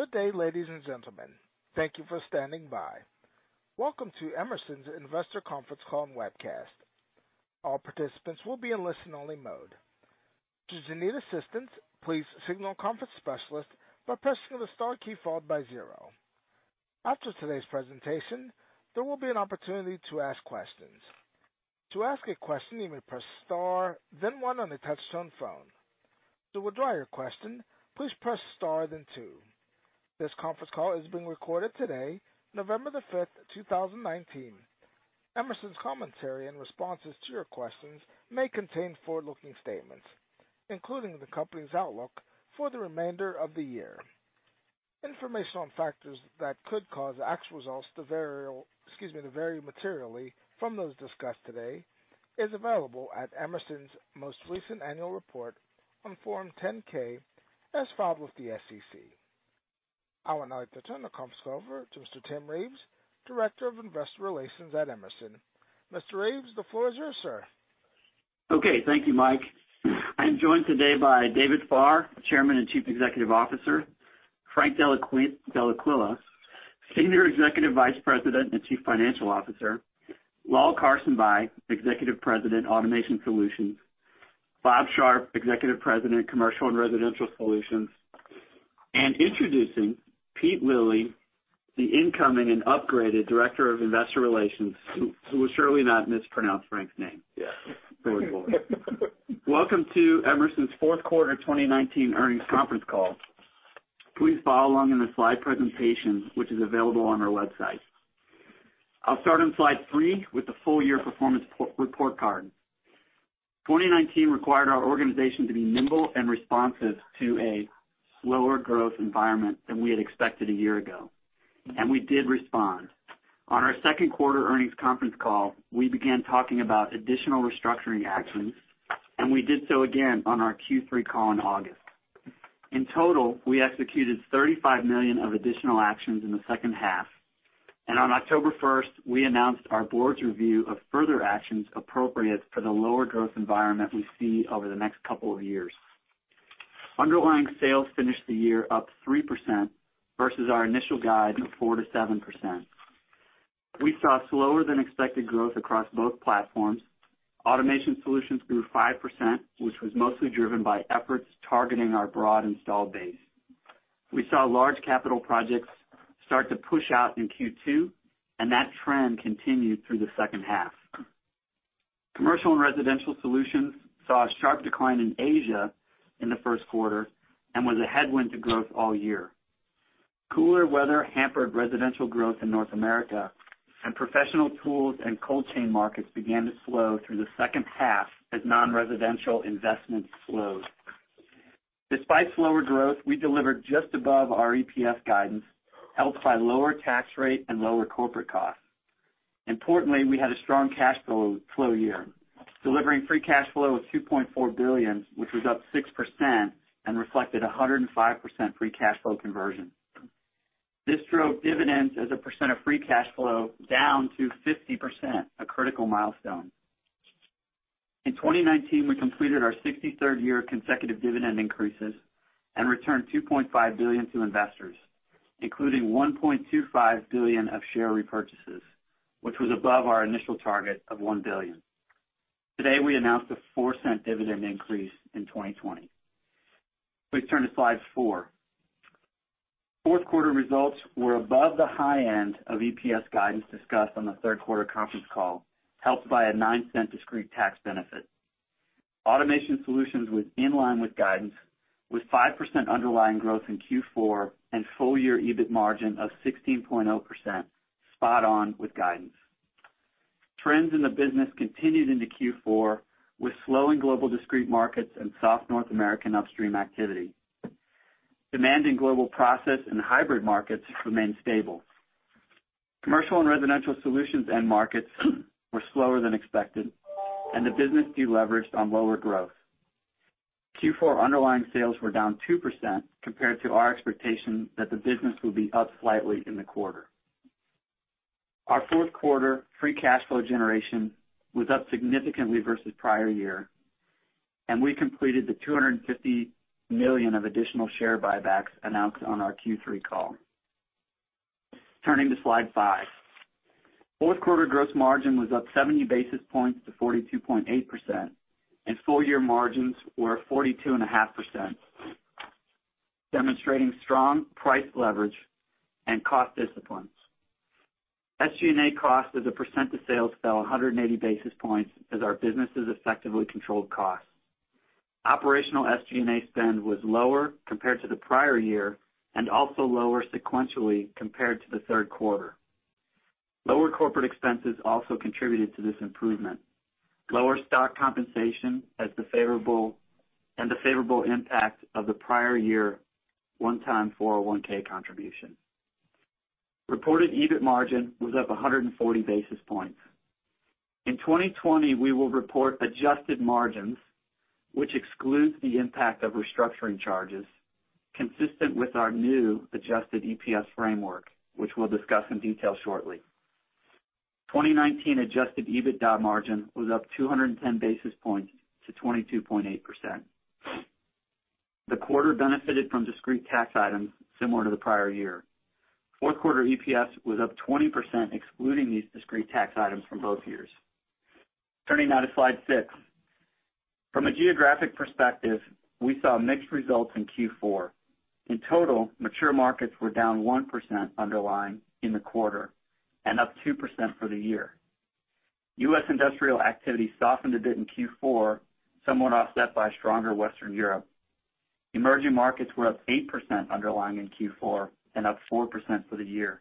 Good day, ladies and gentlemen. Thank you for standing by. Welcome to Emerson's Investor Conference Call and Webcast. All participants will be in listen only mode. Should you need assistance, please signal a conference specialist by pressing the star key followed by zero. After today's presentation, there will be an opportunity to ask questions. To ask a question, you may press star, then one on a touch-tone phone. To withdraw your question, please press star then two. This conference call is being recorded today, November the fifth, 2019. Emerson's commentary and responses to your questions may contain forward-looking statements, including the company's outlook for the remainder of the year. Information on factors that could cause actual results to vary materially from those discussed today is available at Emerson's most recent annual report on Form 10-K as filed with the SEC. I would now like to turn the conference over to Mr. Tim Reeves, Director of Investor Relations at Emerson. Mr. Reeves, the floor is yours, sir. Okay. Thank you, Mike. I am joined today by David Farr, Chairman and Chief Executive Officer, Frank Dellaquila, Senior Executive Vice President and Chief Financial Officer, Lal Karsanbhai, Executive President, Automation Solutions, Bob Sharp, Executive President, Commercial & Residential Solutions, introducing Pete Lilly, the incoming and upgraded Director of Investor Relations, who will surely not mispronounce Frank's name. Yes. Going forward. Welcome to Emerson's fourth quarter 2019 earnings conference call. Please follow along in the slide presentation, which is available on our website. I'll start on slide three with the full year performance report card. 2019 required our organization to be nimble and responsive to a slower growth environment than we had expected a year ago, and we did respond. On our second quarter earnings conference call, we began talking about additional restructuring actions, and we did so again on our Q3 call in August. In total, we executed $35 million of additional actions in the second half, and on October first, we announced our board's review of further actions appropriate for the lower growth environment we see over the next couple of years. Underlying sales finished the year up 3% versus our initial guide of 4%-7%. We saw slower than expected growth across both platforms. Automation Solutions grew 5%, which was mostly driven by efforts targeting our broad installed base. We saw large capital projects start to push out in Q2, and that trend continued through the second half. Commercial & Residential Solutions saw a sharp decline in Asia in the first quarter and was a headwind to growth all year. Cooler weather hampered residential growth in North America, and professional tools and cold chain markets began to slow through the second half as non-residential investment slowed. Despite slower growth, we delivered just above our EPS guidance, helped by lower tax rate and lower corporate costs. Importantly, we had a strong cash flow year, delivering free cash flow of $2.4 billion, which was up 6% and reflected 105% free cash flow conversion. This drove dividends as a percent of free cash flow down to 50%, a critical milestone. In 2019, we completed our 63rd year of consecutive dividend increases and returned $2.5 billion to investors, including $1.25 billion of share repurchases, which was above our initial target of $1 billion. Today, we announced a $0.04 dividend increase in 2020. Please turn to slide four. Fourth quarter results were above the high end of EPS guidance discussed on the third quarter conference call, helped by a $0.09 discrete tax benefit. Automation Solutions was in line with guidance, with 5% underlying growth in Q4 and full year EBIT margin of 16.0%, spot on with guidance. Trends in the business continued into Q4 with slowing global discrete markets and soft North American upstream activity. Demand in global process and hybrid markets remained stable. Commercial & Residential Solutions end markets were slower than expected, and the business deleveraged on lower growth. Q4 underlying sales were down 2% compared to our expectation that the business would be up slightly in the quarter. Our fourth quarter free cash flow generation was up significantly versus prior year, and we completed the $250 million of additional share buybacks announced on our Q3 call. Turning to slide five. Fourth quarter gross margin was up 70 basis points to 42.8%, and full year margins were 42.5%, demonstrating strong price leverage and cost disciplines. SG&A cost as a percent of sales fell 180 basis points as our businesses effectively controlled costs. Operational SG&A spend was lower compared to the prior year and also lower sequentially compared to the third quarter. Lower corporate expenses also contributed to this improvement, lower stock compensation, and the favorable impact of the prior year one-time 401(k) contribution. Reported EBIT margin was up 140 basis points. In 2020, we will report adjusted margins, which excludes the impact of restructuring charges, consistent with our new adjusted EPS framework, which we'll discuss in detail shortly. 2019 adjusted EBITDA margin was up 210 basis points to 22.8%. The quarter benefited from discrete tax items similar to the prior year. Fourth quarter EPS was up 20%, excluding these discrete tax items from both years. Turning now to slide six. From a geographic perspective, we saw mixed results in Q4. In total, mature markets were down 1% underlying in the quarter and up 2% for the year. U.S. industrial activity softened a bit in Q4, somewhat offset by stronger Western Europe. Emerging markets were up 8% underlying in Q4 and up 4% for the year.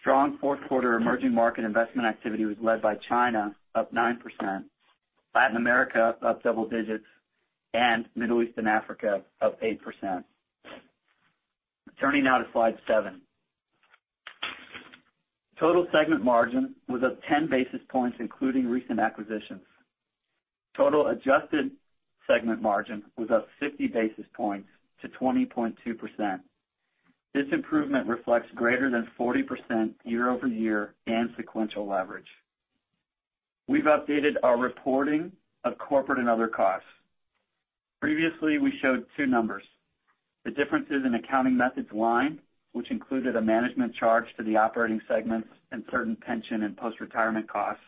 Strong fourth quarter emerging market investment activity was led by China up 9%, Latin America up several digits, and Middle East and Africa up 8%. Turning now to slide seven. Total segment margin was up 10 basis points, including recent acquisitions. Total adjusted segment margin was up 50 basis points to 20.2%. This improvement reflects greater than 40% year-over-year and sequential leverage. We've updated our reporting of corporate and other costs. Previously, we showed two numbers. The differences in accounting methods line, which included a management charge to the operating segments and certain pension and post-retirement costs,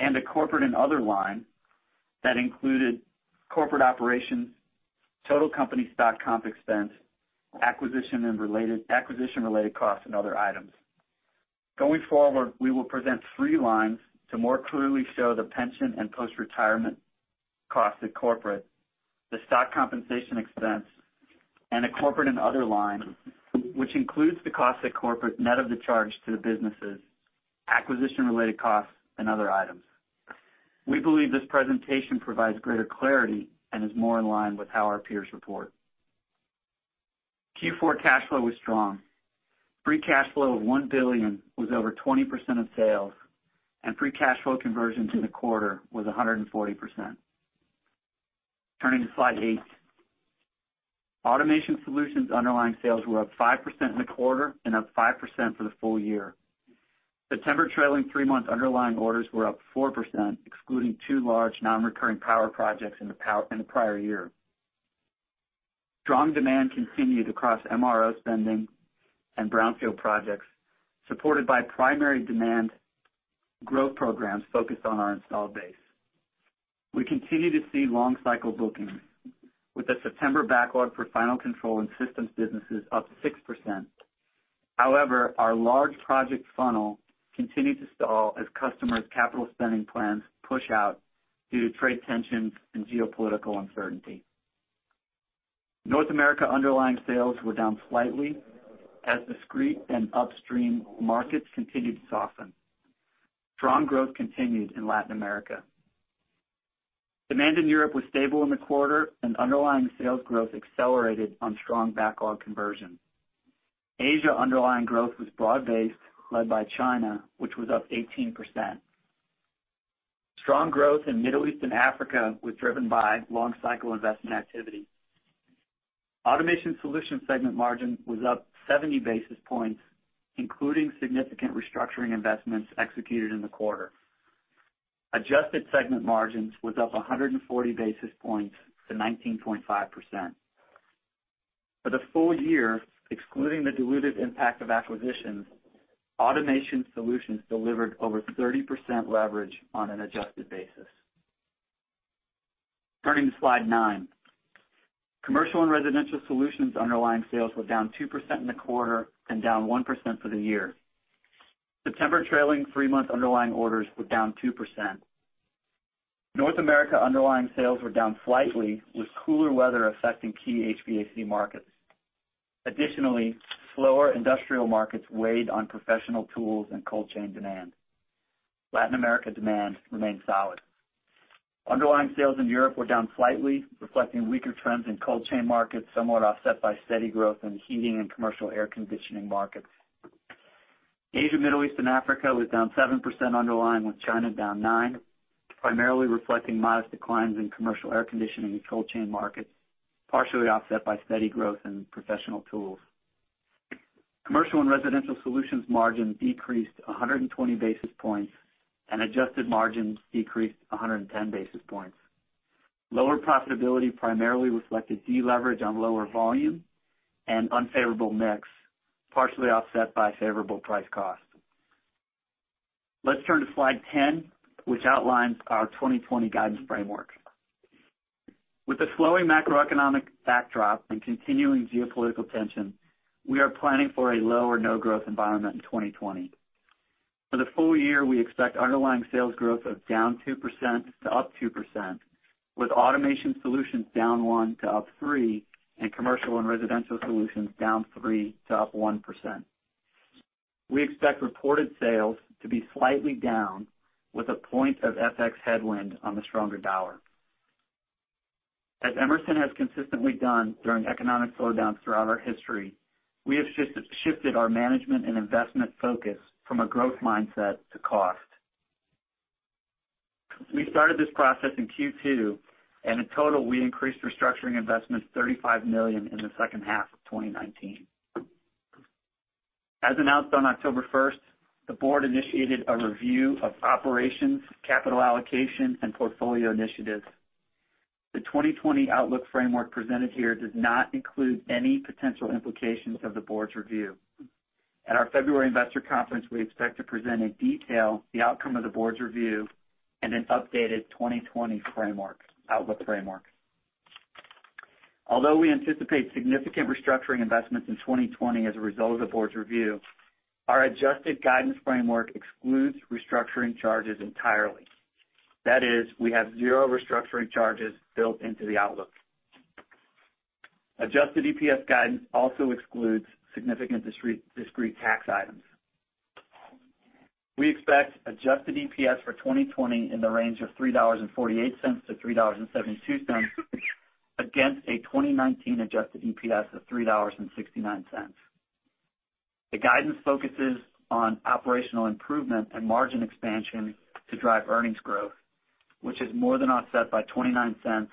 and a corporate and other line that included corporate operations, total company stock comp expense, acquisition-related costs, and other items. Going forward, we will present three lines to more clearly show the pension and post-retirement costs at corporate, the stock compensation expense, and a corporate and other line, which includes the cost at corporate net of the charge to the businesses, acquisition-related costs, and other items. We believe this presentation provides greater clarity and is more in line with how our peers report. Q4 cash flow was strong. Free cash flow of $1 billion was over 20% of sales, and free cash flow conversion to the quarter was 140%. Turning to slide eight. Automation Solutions underlying sales were up 5% in the quarter and up 5% for the full year. September trailing three-month underlying orders were up 4%, excluding two large non-recurring power projects in the prior year. Strong demand continued across MRO spending and brownfield projects, supported by primary demand growth programs focused on our installed base. We continue to see long-cycle bookings, with the September backlog for final control and systems businesses up 6%. Our large project funnel continued to stall as customers' capital spending plans push out due to trade tensions and geopolitical uncertainty. North America underlying sales were down slightly as discrete and upstream markets continued to soften. Strong growth continued in Latin America. Demand in Europe was stable in the quarter, and underlying sales growth accelerated on strong backlog conversion. Asia underlying growth was broad-based, led by China, which was up 18%. Strong growth in Middle East and Africa was driven by long-cycle investment activity. Automation Solutions segment margin was up 70 basis points, including significant restructuring investments executed in the quarter. Adjusted segment margins was up 140 basis points to 19.5%. For the full year, excluding the dilutive impact of acquisitions, Automation Solutions delivered over 30% leverage on an adjusted basis. Turning to slide nine. Commercial & Residential Solutions underlying sales were down 2% in the quarter and down 1% for the year. September trailing three-month underlying orders were down 2%. North America underlying sales were down slightly, with cooler weather affecting key HVAC markets. Additionally, slower industrial markets weighed on professional tools and cold chain demand. Latin America demand remained solid. Underlying sales in Europe were down slightly, reflecting weaker trends in cold chain markets, somewhat offset by steady growth in heating and commercial air conditioning markets. Asia, Middle East, and Africa was down 7% underlying, with China down 9%, primarily reflecting modest declines in commercial air conditioning and cold chain markets, partially offset by steady growth in professional tools. Commercial & Residential Solutions margin decreased 120 basis points, and adjusted margins decreased 110 basis points. Lower profitability primarily reflected deleverage on lower volume and unfavorable mix, partially offset by favorable price cost. Let's turn to slide 10, which outlines our 2020 guidance framework. With the slowing macroeconomic backdrop and continuing geopolitical tension, we are planning for a low or no growth environment in 2020. For the full year, we expect underlying sales growth of down 2% to up 2%, with Automation Solutions down 1% to up 3%, and Commercial & Residential Solutions down 3% to up 1%. We expect reported sales to be slightly down with a point of FX headwind on the stronger dollar. As Emerson has consistently done during economic slowdowns throughout our history, we have shifted our management and investment focus from a growth mindset to cost. We started this process in Q2, and in total, we increased restructuring investments $35 million in the second half of 2019. As announced on October 1st, the board initiated a review of operations, capital allocation, and portfolio initiatives. The 2020 outlook framework presented here does not include any potential implications of the board's review. At our February investor conference, we expect to present in detail the outcome of the board's review and an updated 2020 outlook framework. Although we anticipate significant restructuring investments in 2020 as a result of the board's review, our adjusted guidance framework excludes restructuring charges entirely. That is, we have zero restructuring charges built into the outlook. Adjusted EPS guidance also excludes significant discrete tax items. We expect adjusted EPS for 2020 in the range of $3.48-$3.72 against a 2019 adjusted EPS of $3.69. The guidance focuses on operational improvement and margin expansion to drive earnings growth, which is more than offset by $0.29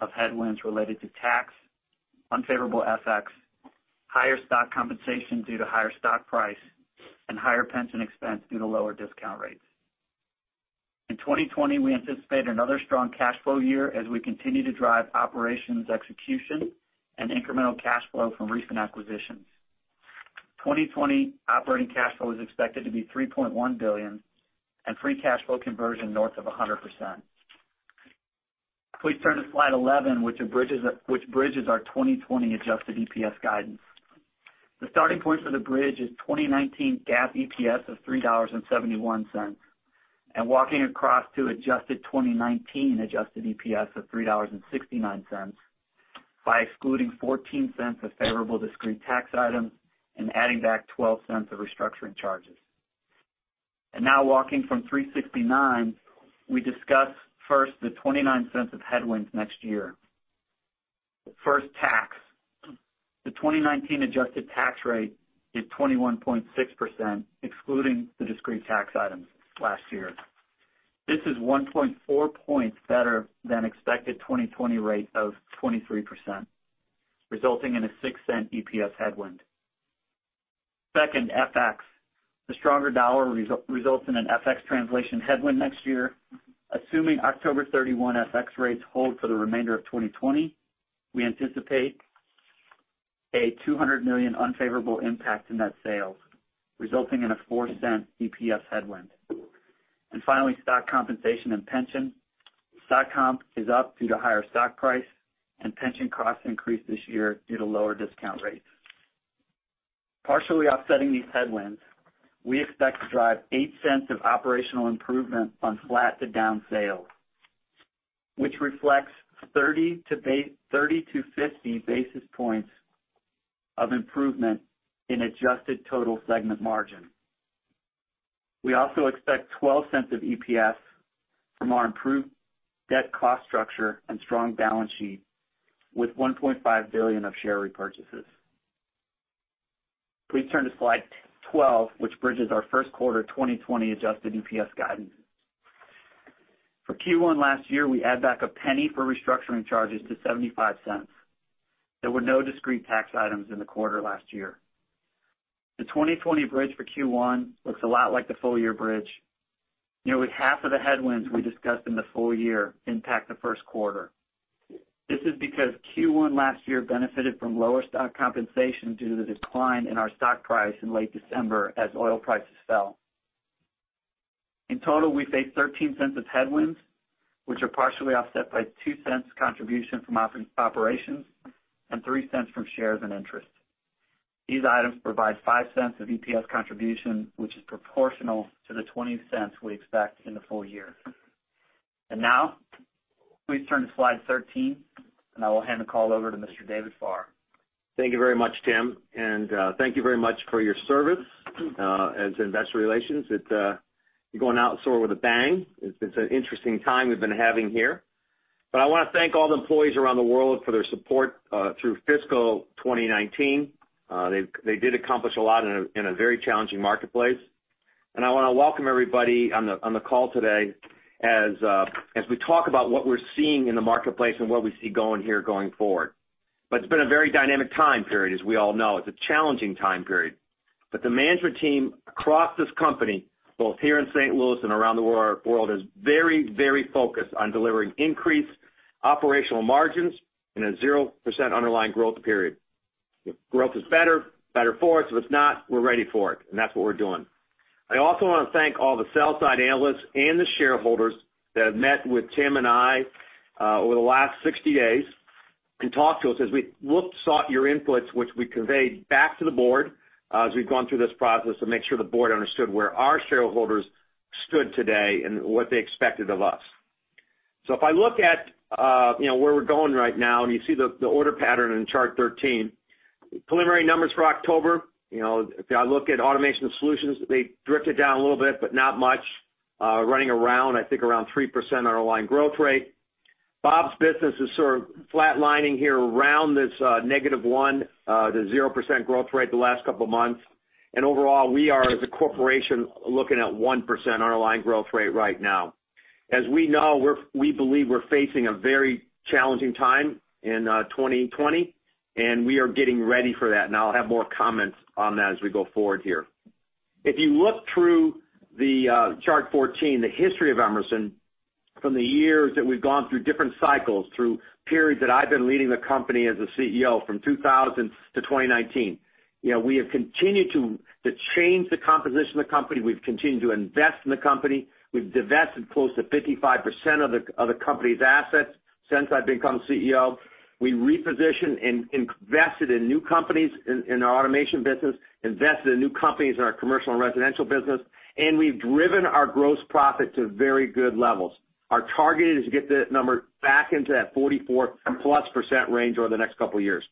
of headwinds related to tax, unfavorable FX, higher stock compensation due to higher stock price, and higher pension expense due to lower discount rates. In 2020, we anticipate another strong cash flow year as we continue to drive operations execution and incremental cash flow from recent acquisitions. 2020 operating cash flow is expected to be $3.1 billion and free cash flow conversion north of 100%. Please turn to slide 11, which bridges our 2020 adjusted EPS guidance. The starting point for the bridge is 2019 GAAP EPS of $3.71. Walking across to adjusted 2019 adjusted EPS of $3.69 by excluding $0.14 of favorable discrete tax items and adding back $0.12 of restructuring charges. Now walking from $3.69, we discuss first the $0.29 of headwinds next year. First, tax. The 2019 adjusted tax rate is 21.6%, excluding the discrete tax items last year. This is 1.4 points better than expected 2020 rate of 23%, resulting in a $0.06 EPS headwind. Second, FX. The stronger dollar results in an FX translation headwind next year. Assuming October 31 FX rates hold for the remainder of 2020, we anticipate a $200 million unfavorable impact in net sales, resulting in a $0.04 EPS headwind. Stock compensation and pension. Stock comp is up due to higher stock price, and pension costs increased this year due to lower discount rates. Partially offsetting these headwinds, we expect to drive $0.08 of operational improvement on flat to down sales, which reflects 30 to 50 basis points of improvement in adjusted total segment margin. We also expect $0.12 of EPS from our improved debt cost structure and strong balance sheet with $1.5 billion of share repurchases. Please turn to slide 12, which bridges our first quarter 2020 adjusted EPS guidance. For Q1 last year, we add back $0.01 for restructuring charges to $0.75. There were no discrete tax items in the quarter last year. The 2020 bridge for Q1 looks a lot like the full-year bridge. Nearly half of the headwinds we discussed in the full year impact the first quarter. This is because Q1 last year benefited from lower stock compensation due to the decline in our stock price in late December as oil prices fell. In total, we face $0.13 of headwinds, which are partially offset by $0.02 contribution from operations and $0.03 from shares and interest. These items provide $0.05 of EPS contribution, which is proportional to the $0.20 we expect in the full year. Now please turn to slide 13, and I will hand the call over to Mr. David Farr. Thank you very much, Tim. Thank you very much for your service as investor relations. You're going out sort of with a bang. It's an interesting time we've been having here. I want to thank all the employees around the world for their support through fiscal 2019. They did accomplish a lot in a very challenging marketplace. I want to welcome everybody on the call today as we talk about what we're seeing in the marketplace and what we see going here going forward. It's been a very dynamic time period, as we all know. It's a challenging time period. The management team across this company, both here in St. Louis and around the world, is very focused on delivering increased operational margins and a 0% underlying growth period. If growth is better for us. If it's not, we're ready for it, and that's what we're doing. I also want to thank all the sell side analysts and the shareholders that have met with Tim and I over the last 60 days and talked to us as we looked, sought your inputs, which we conveyed back to the board as we've gone through this process to make sure the board understood where our shareholders stood today and what they expected of us. If I look at where we're going right now, and you see the order pattern in chart 13, preliminary numbers for October, if I look at Automation Solutions, they drifted down a little bit, but not much. Running around, I think, around 3% underlying growth rate. Bob's business is sort of flat-lining here around this -1%-0% growth rate the last couple of months. Overall, we are, as a corporation, looking at 1% underlying growth rate right now. As we know, we believe we're facing a very challenging time in 2020, and we are getting ready for that. I'll have more comments on that as we go forward here. If you look through the chart 14, the history of Emerson, from the years that we've gone through different cycles, through periods that I've been leading the company as a CEO from 2000 to 2019, we have continued to change the composition of the company. We've continued to invest in the company. We've divested close to 55% of the company's assets since I've become CEO. We repositioned and invested in new companies in our Automation business, invested in new companies in our Commercial and Residential business, and we've driven our gross profit to very good levels. Our target is to get the numbers back into that 44%+ range over the next couple of years.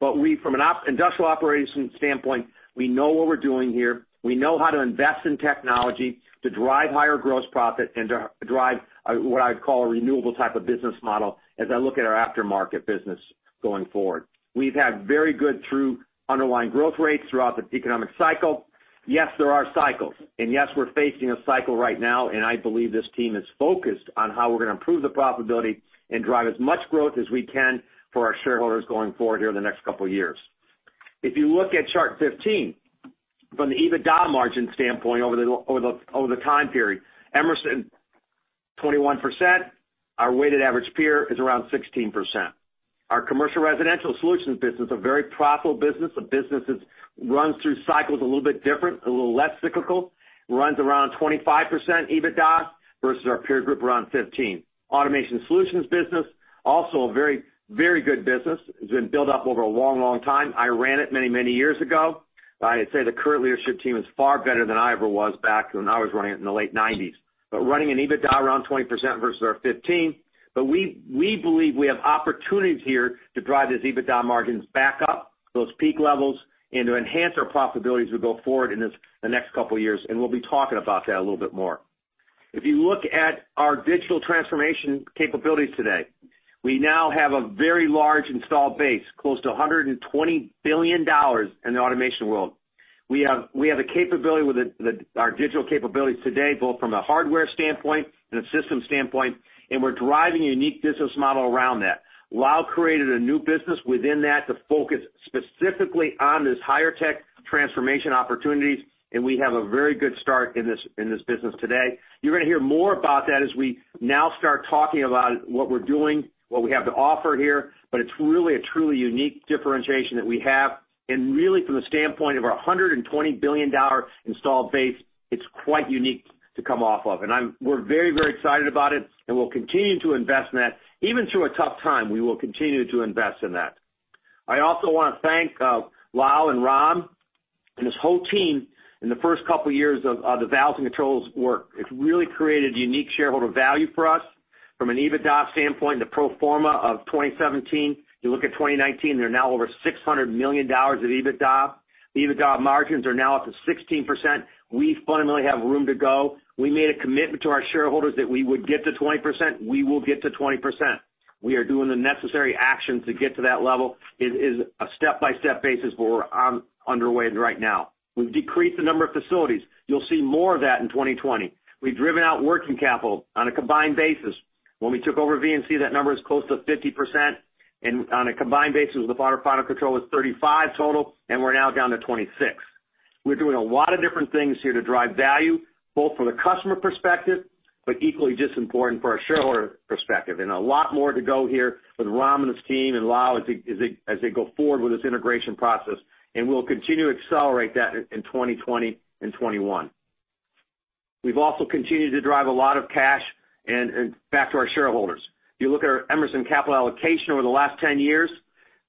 From an industrial operations standpoint, we know what we're doing here. We know how to invest in technology to drive higher gross profit and to drive what I'd call a renewable type of business model, as I look at our aftermarket business going forward. We've had very good through underlying growth rates throughout this economic cycle. Yes, there are cycles, and yes, we're facing a cycle right now, and I believe this team is focused on how we're going to improve the profitability and drive as much growth as we can for our shareholders going forward here in the next couple of years. If you look at chart 15, from the EBITDA margin standpoint over the time period, Emerson, 21%, our weighted average peer is around 16%. Our Commercial & Residential Solutions business, a very profitable business. The business runs through cycles a little bit different, a little less cyclical. Runs around 25% EBITDA versus our peer group around 15%. Automation Solutions business, also a very good business. It's been built up over a long time. I ran it many years ago. I'd say the current leadership team is far better than I ever was back when I was running it in the late '90s. Running an EBITDA around 20% versus our 15%. We believe we have opportunities here to drive these EBITDA margins back up those peak levels and to enhance our profitability as we go forward in the next couple of years, and we'll be talking about that a little bit more. If you look at our digital transformation capabilities today, we now have a very large installed base, close to $120 billion in the Automation Solutions. We have a capability with our digital capabilities today, both from a hardware standpoint and a system standpoint. We're driving a unique business model around that. Lal created a new business within that to focus specifically on this higher tech transformation opportunities. We have a very good start in this business today. You're going to hear more about that as we now start talking about what we're doing, what we have to offer here. It's really a truly unique differentiation that we have. Really from the standpoint of our $120 billion installed base, it's quite unique to come off of. We're very excited about it, and we'll continue to invest in that. Even through a tough time, we will continue to invest in that. I also want to thank Lal and Ram and this whole team in the first couple years of the Valves & Controls work. It's really created unique shareholder value for us from an EBITDA standpoint in the pro forma of 2017. You look at 2019, they're now over $600 million of EBITDA. The EBITDA margins are now up to 16%. We fundamentally have room to go. We made a commitment to our shareholders that we would get to 20%, we will get to 20%. We are doing the necessary action to get to that level. It is a step-by-step basis, but we're underway right now. We've decreased the number of facilities. You'll see more of that in 2020. We've driven out working capital on a combined basis. When we took over VNC, that number is close to 50%. On a combined basis with our final control is 35 total, we're now down to 26. We're doing a lot of different things here to drive value, both from the customer perspective, equally just important for our shareholder perspective. A lot more to go here with Ram and his team and Lal as they go forward with this integration process. We'll continue to accelerate that in 2020 and 2021. We've also continued to drive a lot of cash back to our shareholders. If you look at our Emerson capital allocation over the last 10 years,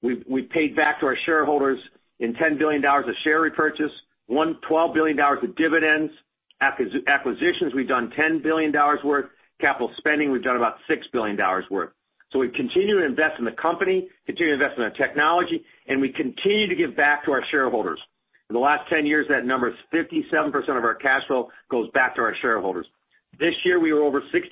we paid back to our shareholders in $10 billion of share repurchase, $12 billion of dividends, acquisitions we've done $10 billion worth, capital spending we've done about $6 billion worth. We continue to invest in the company, continue to invest in our technology, and we continue to give back to our shareholders. In the last 10 years, that number is 57% of our cash flow goes back to our shareholders. This year, we were over 60%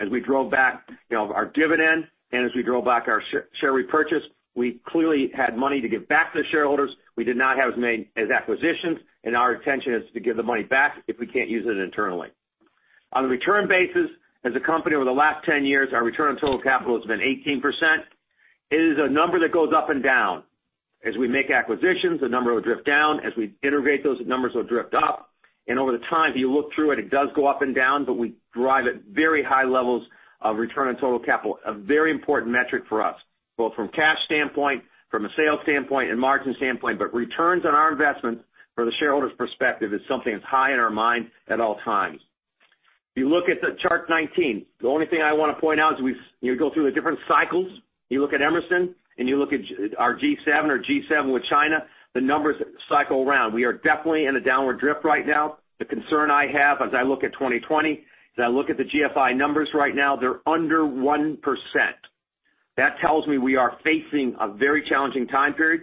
as we drove back our dividend and as we drove back our share repurchase. We clearly had money to give back to the shareholders. We did not have as many acquisitions, and our intention is to give the money back if we can't use it internally. On a return basis, as a company over the last 10 years, our return on total capital has been 18%. It is a number that goes up and down. As we make acquisitions, the number will drift down. As we integrate those, the numbers will drift up. Over the time, if you look through it does go up and down, but we drive at very high levels of return on total capital. A very important metric for us, both from cash standpoint, from a sales standpoint and margin standpoint, but returns on our investment from the shareholder's perspective is something that's high in our mind at all times. If you look at the chart 19, the only thing I want to point out as you go through the different cycles, you look at Emerson, and you look at our G7 or G7 with China, the numbers cycle around. We are definitely in a downward drift right now. The concern I have as I look at 2020, as I look at the GFI numbers right now, they're under 1%. That tells me we are facing a very challenging time period.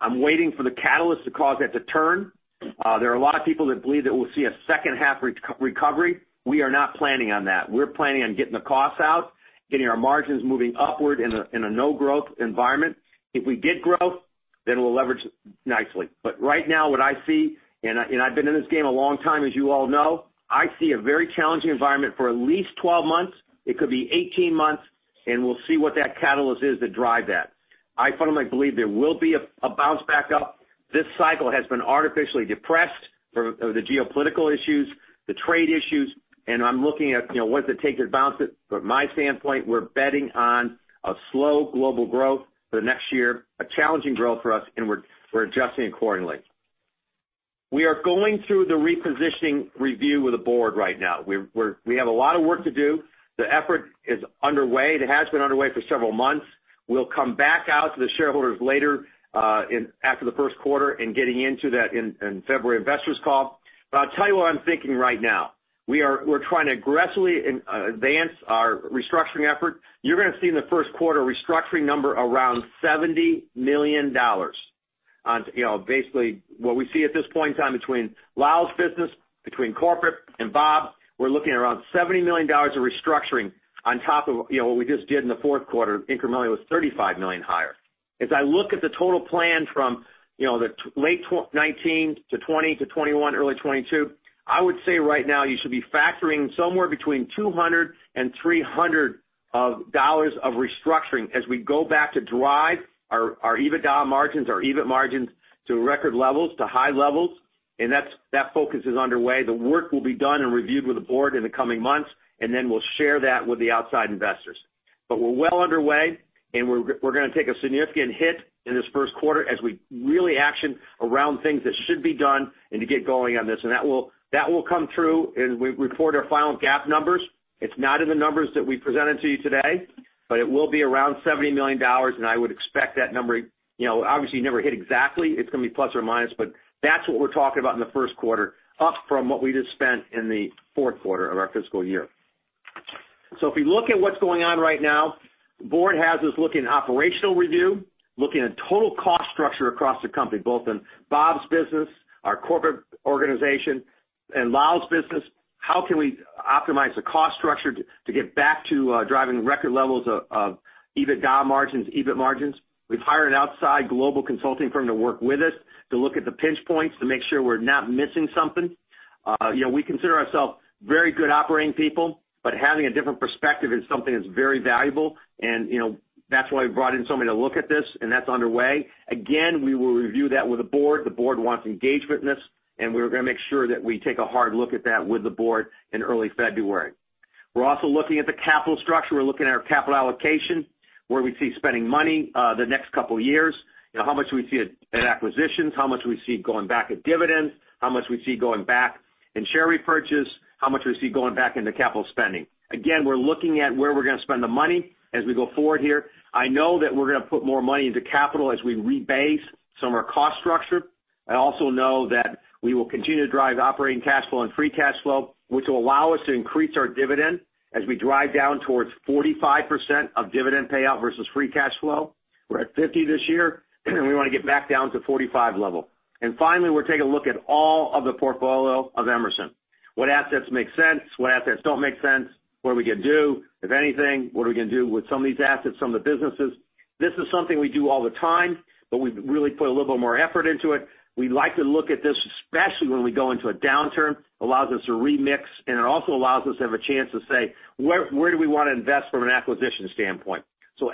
I'm waiting for the catalyst to cause that to turn. There are a lot of people that believe that we'll see a second half recovery. We are not planning on that. We're planning on getting the costs out, getting our margins moving upward in a no-growth environment. If we get growth, then we'll leverage nicely. Right now, what I see, and I've been in this game a long time, as you all know, I see a very challenging environment for at least 12 months. It could be 18 months, and we'll see what that catalyst is to drive that. I fundamentally believe there will be a bounce back up. This cycle has been artificially depressed for the geopolitical issues, the trade issues, and I'm looking at what does it take to bounce it. From my standpoint, we're betting on a slow global growth for the next year, a challenging growth for us, and we're adjusting accordingly. We are going through the repositioning review with the board right now. We have a lot of work to do. The effort is underway. It has been underway for several months. We'll come back out to the shareholders later, after the first quarter and getting into that in February investors call. I'll tell you what I'm thinking right now. We're trying to aggressively advance our restructuring effort. You're going to see in the first quarter a restructuring number around $70 million. Basically, what we see at this point in time between Lal's business, between corporate and Bob, we're looking at around $70 million of restructuring on top of what we just did in the fourth quarter incrementally was $35 million higher. As I look at the total plan from the late 2019 to 2020 to 2021, early 2022, I would say right now you should be factoring somewhere between $200 and $300 of dollars of restructuring as we go back to drive our EBITDA margins, our EBIT margins to record levels, to high levels, and that focus is underway. The work will be done and reviewed with the Board in the coming months. Then we'll share that with the outside investors. We're well underway, and we're going to take a significant hit in this first quarter as we really action around things that should be done and to get going on this. That will come through as we report our final GAAP numbers. It's not in the numbers that we presented to you today, but it will be around $70 million, and I would expect that number, obviously, you never hit exactly. It's going to be plus or minus, but that's what we're talking about in the first quarter, up from what we just spent in the fourth quarter of our fiscal year. If you look at what's going on right now, the board has us looking at operational review, looking at total cost structure across the company, both in Bob's business, our corporate organization, and Lal's business. How can we optimize the cost structure to get back to driving record levels of EBITDA margins, EBIT margins? We've hired an outside global consulting firm to work with us to look at the pinch points to make sure we're not missing something. We consider ourselves very good operating people, but having a different perspective is something that's very valuable, and that's why we brought in somebody to look at this, and that's underway. We will review that with the board. The board wants engagement in this. We're going to make sure that we take a hard look at that with the board in early February. We're also looking at the capital structure. We're looking at our capital allocation, where we see spending money the next couple of years. How much we see it in acquisitions, how much we see going back at dividends, how much we see going back in share repurchase, how much we see going back into capital spending. We're looking at where we're going to spend the money as we go forward here. I know that we're going to put more money into capital as we rebase some of our cost structure. I also know that we will continue to drive operating cash flow and free cash flow, which will allow us to increase our dividend as we drive down towards 45% of dividend payout versus free cash flow. We're at 50 this year, and we want to get back down to 45 level. Finally, we're taking a look at all of the portfolio of Emerson. What assets make sense, what assets don't make sense, what are we going to do? If anything, what are we going to do with some of these assets, some of the businesses? This is something we do all the time, but we've really put a little bit more effort into it. We like to look at this, especially when we go into a downturn, allows us to remix. It also allows us to have a chance to say, where do we want to invest from an acquisition standpoint?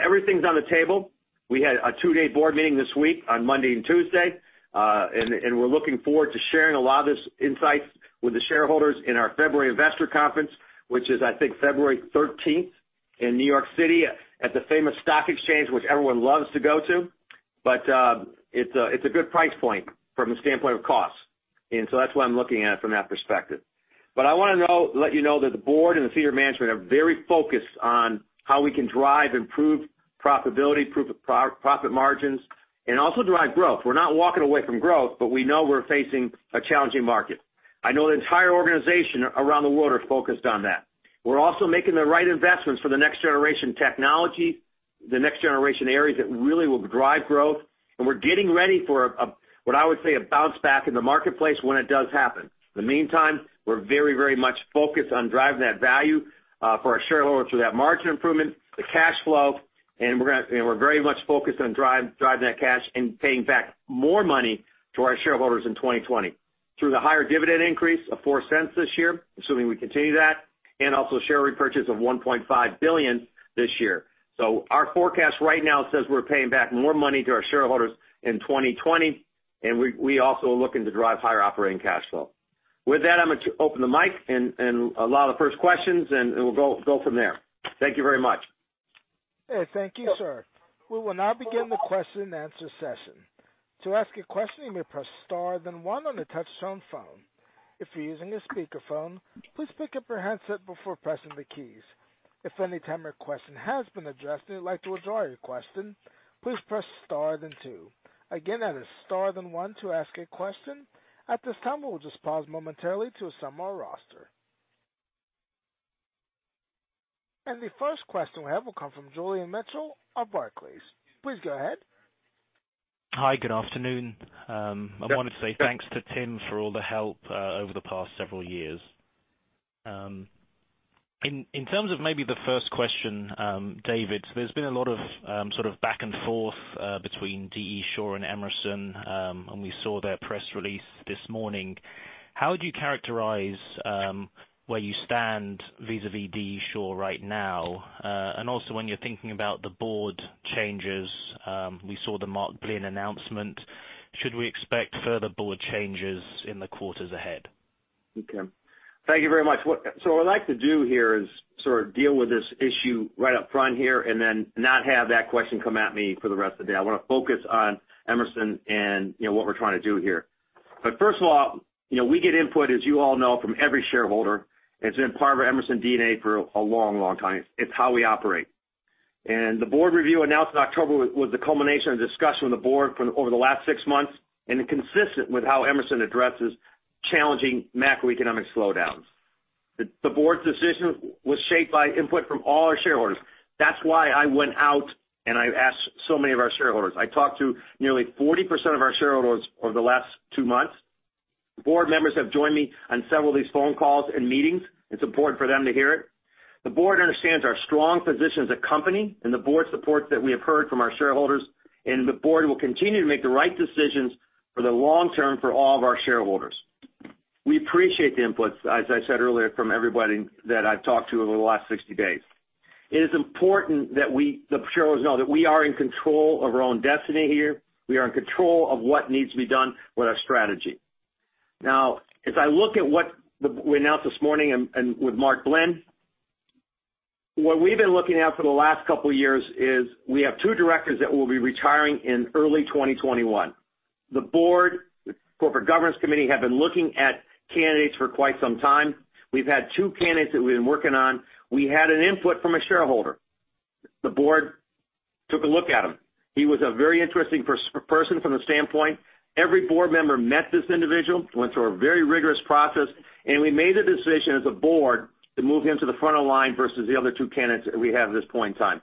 Everything's on the table. We had a two-day board meeting this week on Monday and Tuesday. We're looking forward to sharing a lot of this insight with the shareholders in our February investor conference, which is, I think February 13th in New York City at the famous Stock Exchange, which everyone loves to go to. It's a good price point from the standpoint of cost. That's why I'm looking at it from that perspective. I want to let you know that the board and the senior management are very focused on how we can drive improved profitability, improved profit margins, and also drive growth. We're not walking away from growth, but we know we're facing a challenging market. I know the entire organization around the world are focused on that. We're also making the right investments for the next generation technology, the next generation areas that really will drive growth. We're getting ready for, what I would say, a bounce back in the marketplace when it does happen. In the meantime, we're very, very much focused on driving that value for our shareholders through that margin improvement, the cash flow, and we're very much focused on driving that cash and paying back more money to our shareholders in 2020 through the higher dividend increase of $0.04 this year, assuming we continue that, and also share repurchase of $1.5 billion this year. Our forecast right now says we're paying back more money to our shareholders in 2020, and we also are looking to drive higher operating cash flow. With that, I'm going to open the mic and allow the first questions, and we'll go from there. Thank you very much. Thank you, sir. We will now begin the question and answer session. To ask a question, you may press star then one on the touch-tone phone. If you're using a speakerphone, please pick up your handset before pressing the keys. If any time your question has been addressed and you'd like to withdraw your question, please press star then two. Again, that is star then one to ask a question. At this time, we will just pause momentarily to assemble our roster. The first question we have will come from Julian Mitchell of Barclays. Please go ahead. Hi, good afternoon. I want to say thanks to Tim for all the help over the past several years. In terms of maybe the first question, David, there's been a lot of back and forth between D. E. Shaw and Emerson, and we saw their press release this morning. How would you characterize where you stand vis-a-vis D. E. Shaw right now? Also when you're thinking about the board changes, we saw the Mark Blinn announcement. Should we expect further board changes in the quarters ahead? Okay. Thank you very much. What I'd like to do here is sort of deal with this issue right up front here, and then not have that question come at me for the rest of the day. I want to focus on Emerson and what we're trying to do here. First of all, we get input, as you all know, from every shareholder. It's been part of Emerson DNA for a long time. It's how we operate. The board review announced in October was the culmination of discussion with the board over the last six months, and consistent with how Emerson addresses challenging macroeconomic slowdowns. The board's decision was shaped by input from all our shareholders. That's why I went out, and I asked so many of our shareholders. I talked to nearly 40% of our shareholders over the last two months. Board members have joined me on several of these phone calls and meetings. It's important for them to hear it. The board understands our strong position as a company, and the board supports what we have heard from our shareholders, and the board will continue to make the right decisions for the long term for all of our shareholders. We appreciate the inputs, as I said earlier, from everybody that I've talked to over the last 60 days. It is important that the shareholders know that we are in control of our own destiny here. We are in control of what needs to be done with our strategy. As I look at what we announced this morning with Mark Blinn, what we've been looking at for the last couple of years is we have two directors that will be retiring in early 2021. The board, the corporate governance committee, have been looking at candidates for quite some time. We've had two candidates that we've been working on. We had an input from a shareholder. The board took a look at him. He was a very interesting person from the standpoint. Every board member met this individual, went through a very rigorous process, and we made the decision as a board to move him to the front of the line versus the other two candidates that we have at this point in time.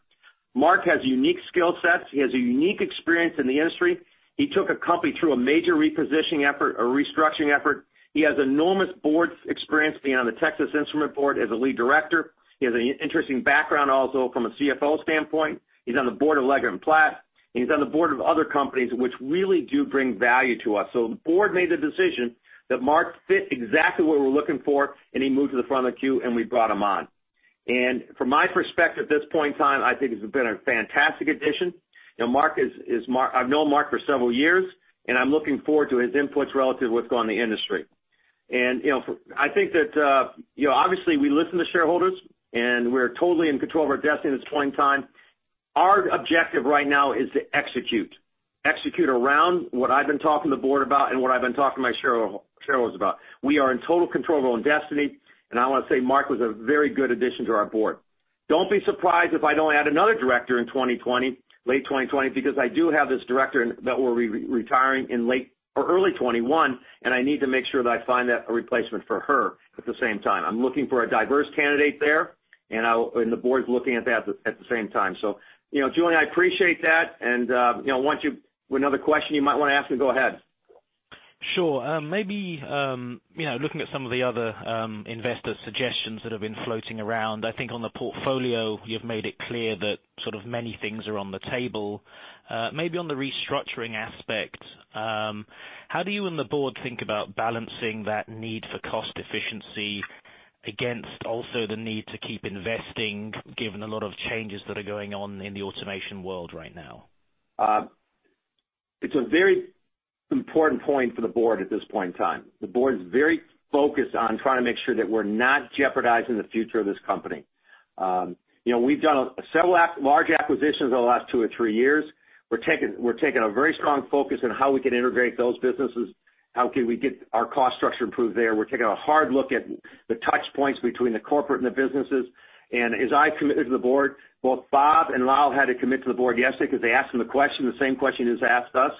Mark has unique skill sets. He has a unique experience in the industry. He took a company through a major repositioning effort, a restructuring effort. He has enormous board experience being on the Texas Instruments board as a lead director. He has an interesting background also from a CFO standpoint. He's on the board of Leggett & Platt, and he's on the board of other companies, which really do bring value to us. The board made the decision that Mark fit exactly what we're looking for, and he moved to the front of the queue, and we brought him on. From my perspective, at this point in time, I think it's been a fantastic addition. I've known Mark for several years, and I'm looking forward to his inputs relative to what's going on in the industry. I think that, obviously, we listen to shareholders, and we're totally in control of our destiny at this point in time. Our objective right now is to execute. Execute around what I've been talking to the board about and what I've been talking to my shareholders about. We are in total control of our own destiny, and I want to say Mark was a very good addition to our board. Don't be surprised if I don't add another director in 2020, late 2020, because I do have this director that will be retiring in early 2021, and I need to make sure that I find a replacement for her at the same time. I'm looking for a diverse candidate there, and the board's looking at that at the same time. Julian, I appreciate that, and once you have another question you might want to ask me, go ahead. Sure. Maybe looking at some of the other investor suggestions that have been floating around, I think on the portfolio, you've made it clear that sort of many things are on the table. Maybe on the restructuring aspect, how do you and the board think about balancing that need for cost efficiency against also the need to keep investing, given a lot of changes that are going on in the automation world right now? It's a very important point for the board at this point in time. The board's very focused on trying to make sure that we're not jeopardizing the future of this company. We've done several large acquisitions over the last two or three years. We're taking a very strong focus on how we can integrate those businesses. How can we get our cost structure improved there? We're taking a hard look at the touch points between the corporate and the businesses. As I've committed to the board, both Bob and Lal had to commit to the board yesterday because they asked them the question, the same question that was asked us.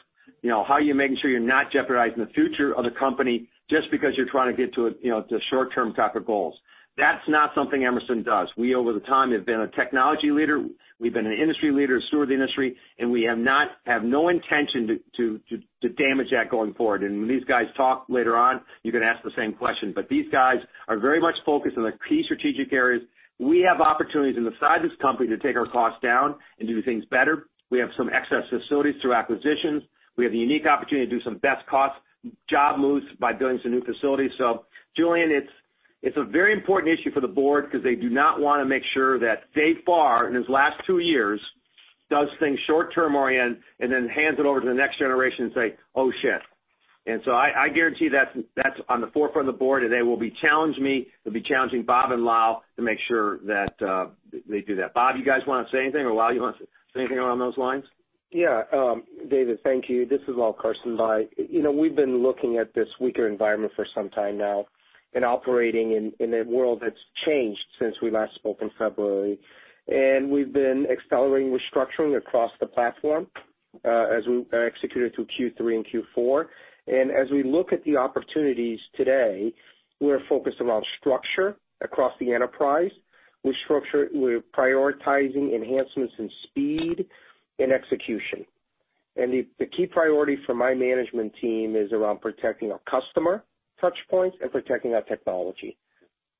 How are you making sure you're not jeopardizing the future of the company just because you're trying to get to short-term type of goals? That's not something Emerson does. We, over the time, have been a technology leader. We've been an industry leader, steward of the industry, and we have no intention to damage that going forward. When these guys talk later on, you can ask the same question. These guys are very much focused on the key strategic areas. We have opportunities inside this company to take our costs down and do things better. We have some excess facilities through acquisitions. We have the unique opportunity to do some best cost job moves by building some new facilities. Julian, it's a very important issue for the board because they do not want to make sure that Dave Farr, in his last two years, does things short-term oriented and then hands it over to the next generation and say, "Oh, shit." I guarantee that's on the forefront of the board. Today will be challenging me. They'll be challenging Bob and Lal to make sure that they do that. Bob, you guys want to say anything? Lal, you want to say anything along those lines? David, thank you. This is Lal Karsanbhai. We've been looking at this weaker environment for some time now and operating in a world that's changed since we last spoke in February. We've been accelerating restructuring across the platform as we executed through Q3 and Q4. As we look at the opportunities today, we are focused around structure across the enterprise. We're prioritizing enhancements in speed and execution. The key priority for my management team is around protecting our customer touchpoints and protecting our technology.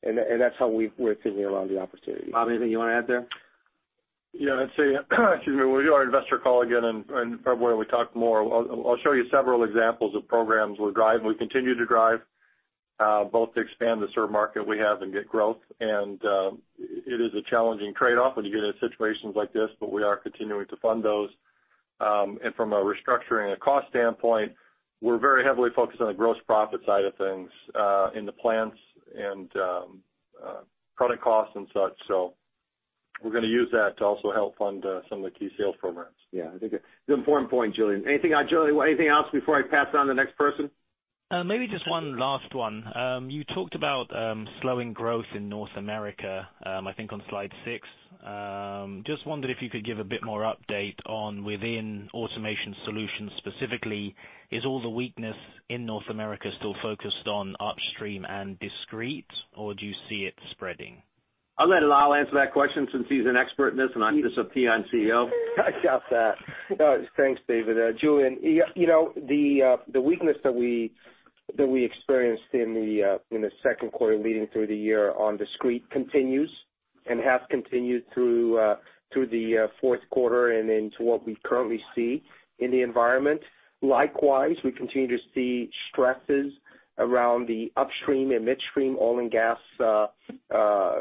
That's how we're thinking around the opportunities. Bob, anything you want to add there? Yeah, I'd say, excuse me, when we do our investor call again and probably where we talk more, I'll show you several examples of programs we're driving. We continue to drive, both to expand the sort of market we have and get growth. It is a challenging trade-off when you get into situations like this, but we are continuing to fund those. From a restructuring a cost standpoint, we're very heavily focused on the gross profit side of things, in the plans and product costs and such. We're going to use that to also help fund some of the key sales programs. Yeah, I think it's an important point. Julian. Anything, Julian, anything else before I pass it on to the next person? Maybe just one last one. You talked about slowing growth in North America, I think on slide six. Just wondered if you could give a bit more update on within Automation Solutions specifically, is all the weakness in North America still focused on upstream and discrete, or do you see it spreading? I'll let Lal answer that question since he's an expert in this and I'm just a President CEO. Got that. Thanks, David. Julian, the weakness that we experienced in the second quarter leading through the year on discrete continues and has continued through the fourth quarter and into what we currently see in the environment. Likewise, we continue to see stresses around the upstream and midstream oil and gas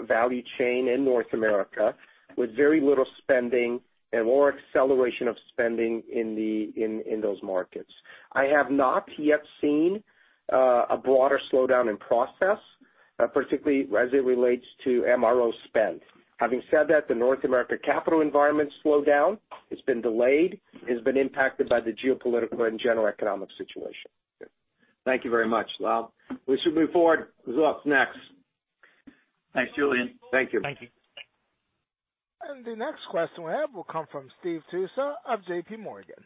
value chain in North America with very little spending and more acceleration of spending in those markets. I have not yet seen a broader slowdown in process, particularly as it relates to MRO spend. Having said that, the North America capital environment slowed down. It's been delayed. It's been impacted by the geopolitical and general economic situation. Thank you very much, Lal. We should move forward. Who's up next? Thanks, Julian. Thank you. Thank you. The next question we have will come from Steve Tusa of JPMorgan.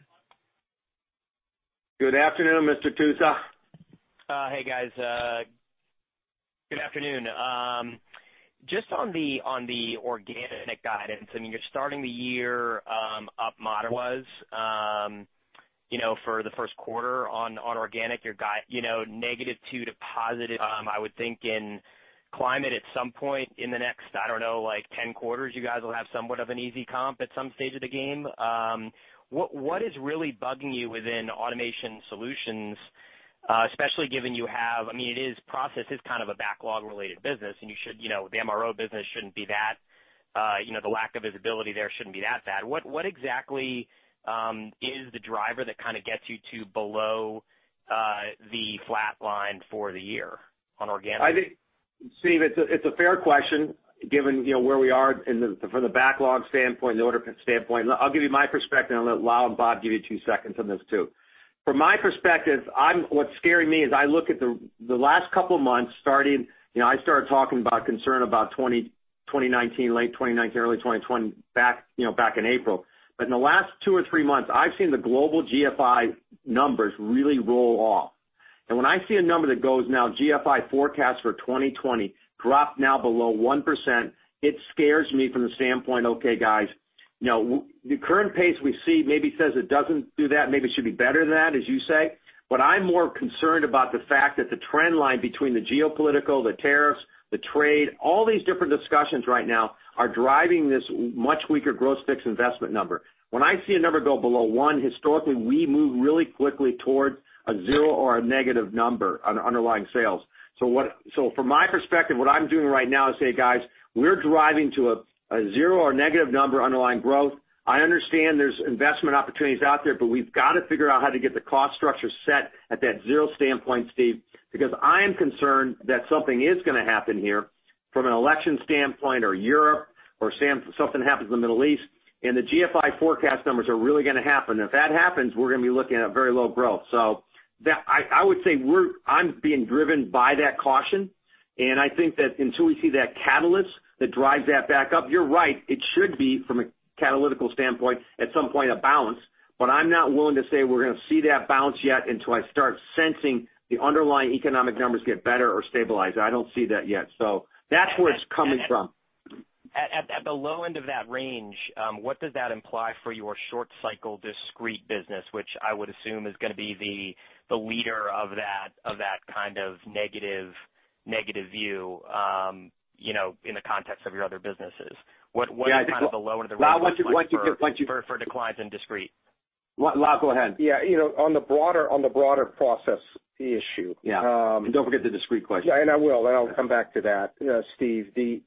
Good afternoon, Mr. Tusa. Hey, guys. Good afternoon. Just on the organic guidance, you're starting the year up modest for the 1st quarter on organic, your guide, negative 2% to positive. I would think in climate at some point in the next, I don't know, like 10 quarters, you guys will have somewhat of an easy comp at some stage of the game. What is really bugging you within Automation Solutions, especially given Process is kind of a backlog-related business, and the MRO business, the lack of visibility there shouldn't be that bad. What exactly is the driver that kind of gets you to below the flat line for the year on organic? Steve, it's a fair question given where we are from the backlog standpoint and the order standpoint. I'll give you my perspective, and I'll let Lal and Bob give you two seconds on this too. From my perspective, what's scaring me is I look at the last couple of months starting, I started talking about concern about 2019, late 2019, early 2020 back in April. In the last two or three months, I've seen the global GFI numbers really roll off. When I see a number that goes now GFI forecast for 2020 drop now below 1%, it scares me from the standpoint, okay, guys, the current pace we see maybe says it doesn't do that, maybe it should be better than that, as you say. I'm more concerned about the fact that the trend line between the geopolitical, the tariffs, the trade, all these different discussions right now are driving this much weaker gross fixed investment number. When I see a number go below 1, historically, we move really quickly towards a 0 or a negative number on underlying sales. From my perspective, what I'm doing right now is say, guys, we're driving to a 0 or negative number underlying growth. I understand there's investment opportunities out there, but we've got to figure out how to get the cost structure set at that 0 standpoint, Steve, because I am concerned that something is going to happen here from an election standpoint or Europe or something happens in the Middle East, and the GFI forecast numbers are really going to happen. If that happens, we're going to be looking at very low growth. I would say I'm being driven by that caution, and I think that until we see that catalyst that drives that back up, you're right, it should be, from a catalytical standpoint, at some point, a bounce. I'm not willing to say we're going to see that bounce yet until I start sensing the underlying economic numbers get better or stabilize. I don't see that yet. That's where it's coming from. At the low end of that range, what does that imply for your short cycle discrete business, which I would assume is going to be the leader of that kind of negative view in the context of your other businesses? What is kind of the lower the range? Lal. For declines in discrete? Lal, go ahead. On the broader process issue. Yeah. Don't forget the discrete question. Yeah, I will, and I'll come back to that, Steve. The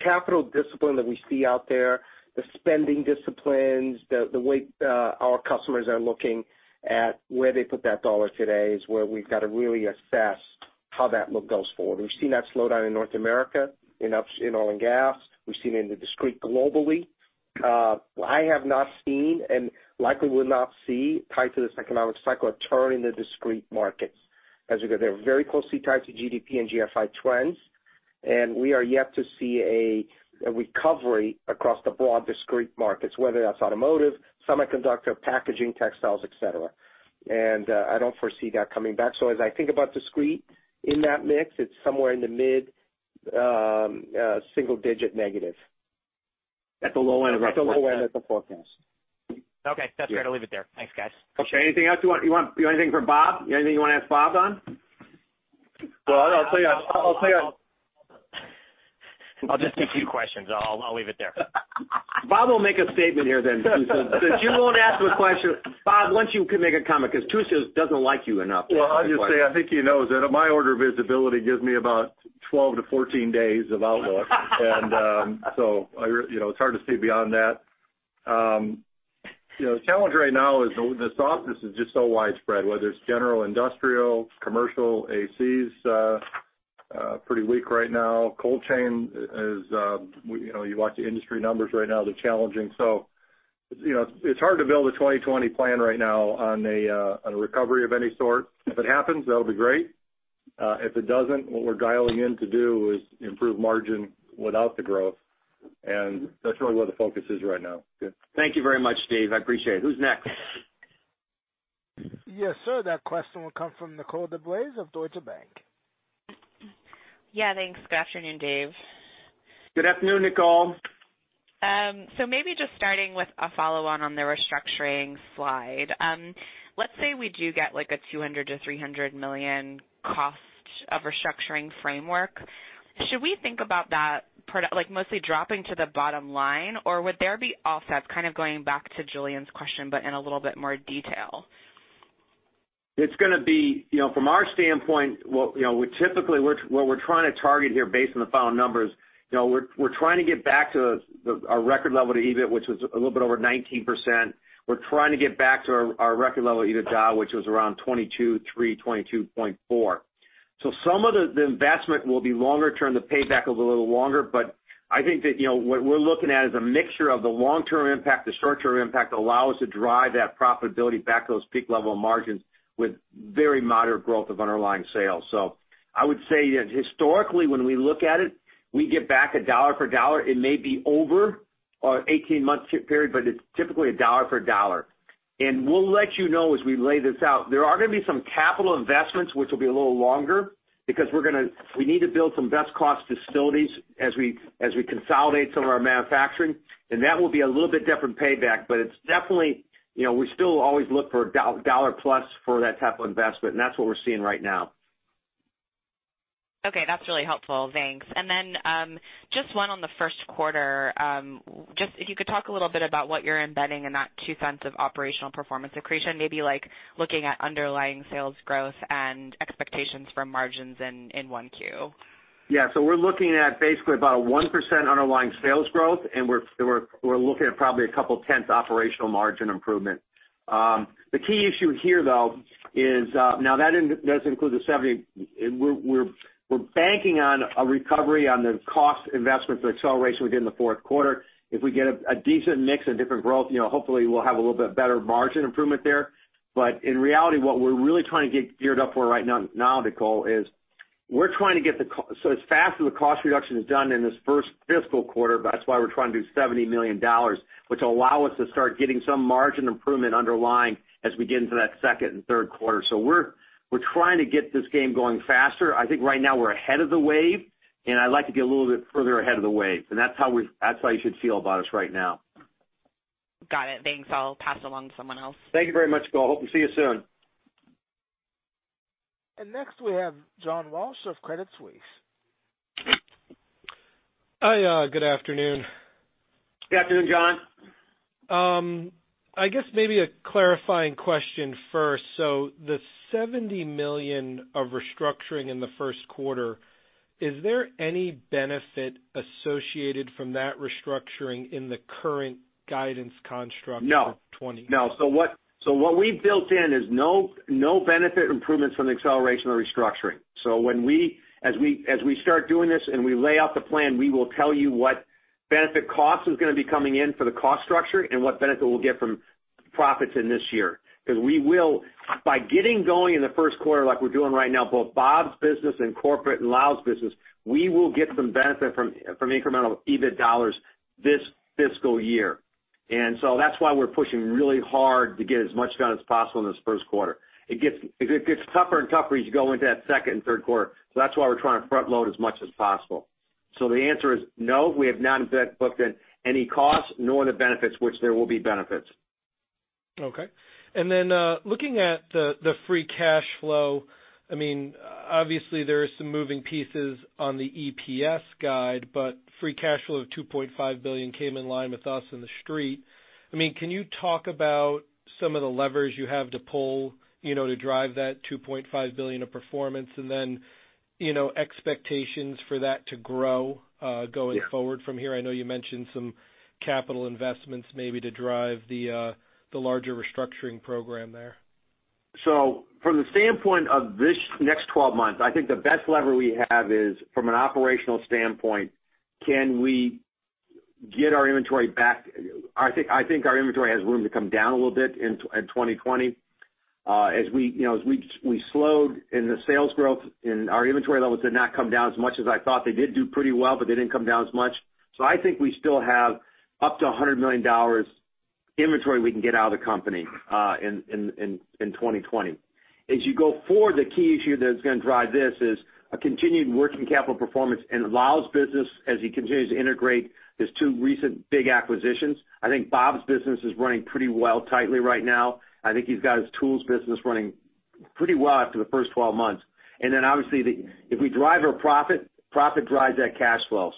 capital discipline that we see out there, the spending disciplines, the way our customers are looking at where they put that dollar today is where we've got to really assess how that look goes forward. We've seen that slowdown in North America in oil and gas. We've seen it in the discrete globally. I have not seen and likely will not see tied to this economic cycle a turn in the discrete markets as they're very closely tied to GDP and GFI trends. We are yet to see a recovery across the broad discrete markets, whether that's automotive, semiconductor, packaging, textiles, et cetera. I don't foresee that coming back. As I think about discrete in that mix, it's somewhere in the mid-single digit negative. At the low end of our forecast. At the low end of the forecast. Okay. That's fair to leave it there. Thanks, guys. Okay. Anything else you want? You want anything for Bob? You have anything you want to ask Bob on? Well, I'll tell you. I'll just take two questions. I'll leave it there. Bob will make a statement here then, since you won't ask him a question. Bob, why don't you make a comment? Tusa doesn't like you enough. Well, I'll just say, I think he knows that my order visibility gives me about 12 to 14 days of outlook. It's hard to see beyond that. The challenge right now is the softness is just so widespread, whether it's general industrial, commercial, ACs, pretty weak right now. Cold chain is, you watch the industry numbers right now, they're challenging. It's hard to build a 2020 plan right now on a recovery of any sort. If it happens, that'll be great. If it doesn't, what we're dialing in to do is improve margin without the growth, and that's really where the focus is right now. Thank you very much, Steve. I appreciate it. Who's next? Yes, sir. That question will come from Nicole DeBlase of Deutsche Bank. Yeah, thanks. Good afternoon, Dave. Good afternoon, Nicole. Maybe just starting with a follow-on on the restructuring slide. Let's say we do get like a $200 million-$300 million cost of restructuring framework. Should we think about that, like mostly dropping to the bottom line? Would there be offsets, kind of going back to Julian's question, but in a little bit more detail? It's going to be, from our standpoint, what we're trying to target here based on the final numbers, we're trying to get back to our record level to EBIT, which was a little bit over 19%. We're trying to get back to our record level EBITDA, which was around 22.3%, 22.4%. Some of the investment will be longer term. The payback is a little longer, but I think that what we're looking at is a mixture of the long-term impact, the short-term impact allow us to drive that profitability back to those peak level margins with very moderate growth of underlying sales. I would say that historically, when we look at it, we get back a dollar for dollar. It may be over our 18-month period, but it's typically a dollar for dollar. We'll let you know as we lay this out. There are going to be some capital investments, which will be a little longer because we need to build some best cost facilities as we consolidate some of our manufacturing. That will be a little bit different payback. It's definitely, we still always look for dollar plus for that type of investment, and that's what we're seeing right now. Okay, that's really helpful, thanks. Just one on the first quarter. If you could talk a little bit about what you're embedding in that $0.02 of operational performance accretion, maybe like looking at underlying sales growth and expectations for margins in one Q. We're looking at basically about 1% underlying sales growth, and we're looking at probably a couple of tenths operational margin improvement. The key issue here, though, is now that doesn't include the $70 million. We're banking on a recovery on the cost investment to accelerate within the fourth quarter. If we get a decent mix and different growth, hopefully, we'll have a little bit better margin improvement there. In reality, what we're really trying to get geared up for right now, Nicole, is we're trying to get as fast as the cost reduction is done in this first fiscal quarter. That's why we're trying to do $70 million, which will allow us to start getting some margin improvement underlying as we get into that second and third quarter. We're trying to get this game going faster. I think right now we're ahead of the wave, and I'd like to be a little bit further ahead of the wave, and that's how you should feel about us right now. Got it. Thanks. I'll pass along to someone else. Thank you very much, Nicole. Hope to see you soon. Next we have John Walsh of Credit Suisse. Hi. Good afternoon. Good afternoon, John. I guess maybe a clarifying question first. The $70 million of restructuring in the first quarter, is there any benefit associated from that restructuring in the current guidance construct for 2020? No. What we've built in is no benefit improvements from the acceleration of restructuring. As we start doing this and we lay out the plan, we will tell you what benefit cost is going to be coming in for the cost structure and what benefit we'll get from profits in this year. Because we will, by getting going in the first quarter like we're doing right now, both Bob's business and corporate and Lal's business, we will get some benefit from incremental EBIT dollars this fiscal year. That's why we're pushing really hard to get as much done as possible in this first quarter. It gets tougher and tougher as you go into that second and third quarter. That's why we're trying to front-load as much as possible. The answer is no, we have not booked in any costs, nor the benefits, which there will be benefits. Okay. Looking at the free cash flow, obviously there are some moving pieces on the EPS guide, but free cash flow of $2.5 billion came in line with us in the Street. Can you talk about some of the levers you have to pull to drive that $2.5 billion of performance, and then expectations for that to grow going forward from here? I know you mentioned some capital investments maybe to drive the larger restructuring program there. From the standpoint of this next 12 months, I think the best lever we have is from an operational standpoint, can we get our inventory back. I think our inventory has room to come down a little bit in 2020. We slowed in the sales growth, and our inventory levels did not come down as much as I thought. They did do pretty well, they didn't come down as much. I think we still have up to $100 million inventory we can get out of the company in 2020. You go forward, the key issue that's going to drive this is a continued working capital performance and Lal's business, as he continues to integrate his two recent big acquisitions. I think Bob's business is running pretty well tightly right now. I think he's got his tools business running pretty well after the first 12 months. Obviously, if we drive our profit drives that cash flow.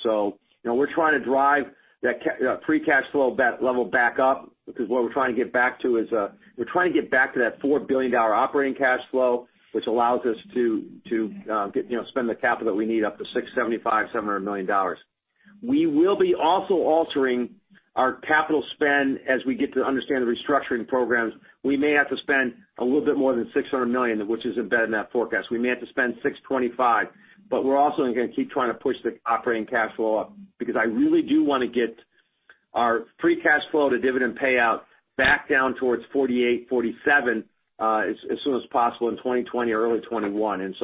We're trying to drive that free cash flow level back up, because what we're trying to get back to is we're trying to get back to that $4 billion operating cash flow, which allows us to spend the capital that we need up to $675 million-$700 million. We will be also altering our capital spend as we get to understand the restructuring programs. We may have to spend a little bit more than $600 million, which is embedded in that forecast. We may have to spend $625 million. We're also going to keep trying to push the operating cash flow up, because I really do want to get our free cash flow to dividend payout back down towards 48%-47% as soon as possible in 2020 or early 2021.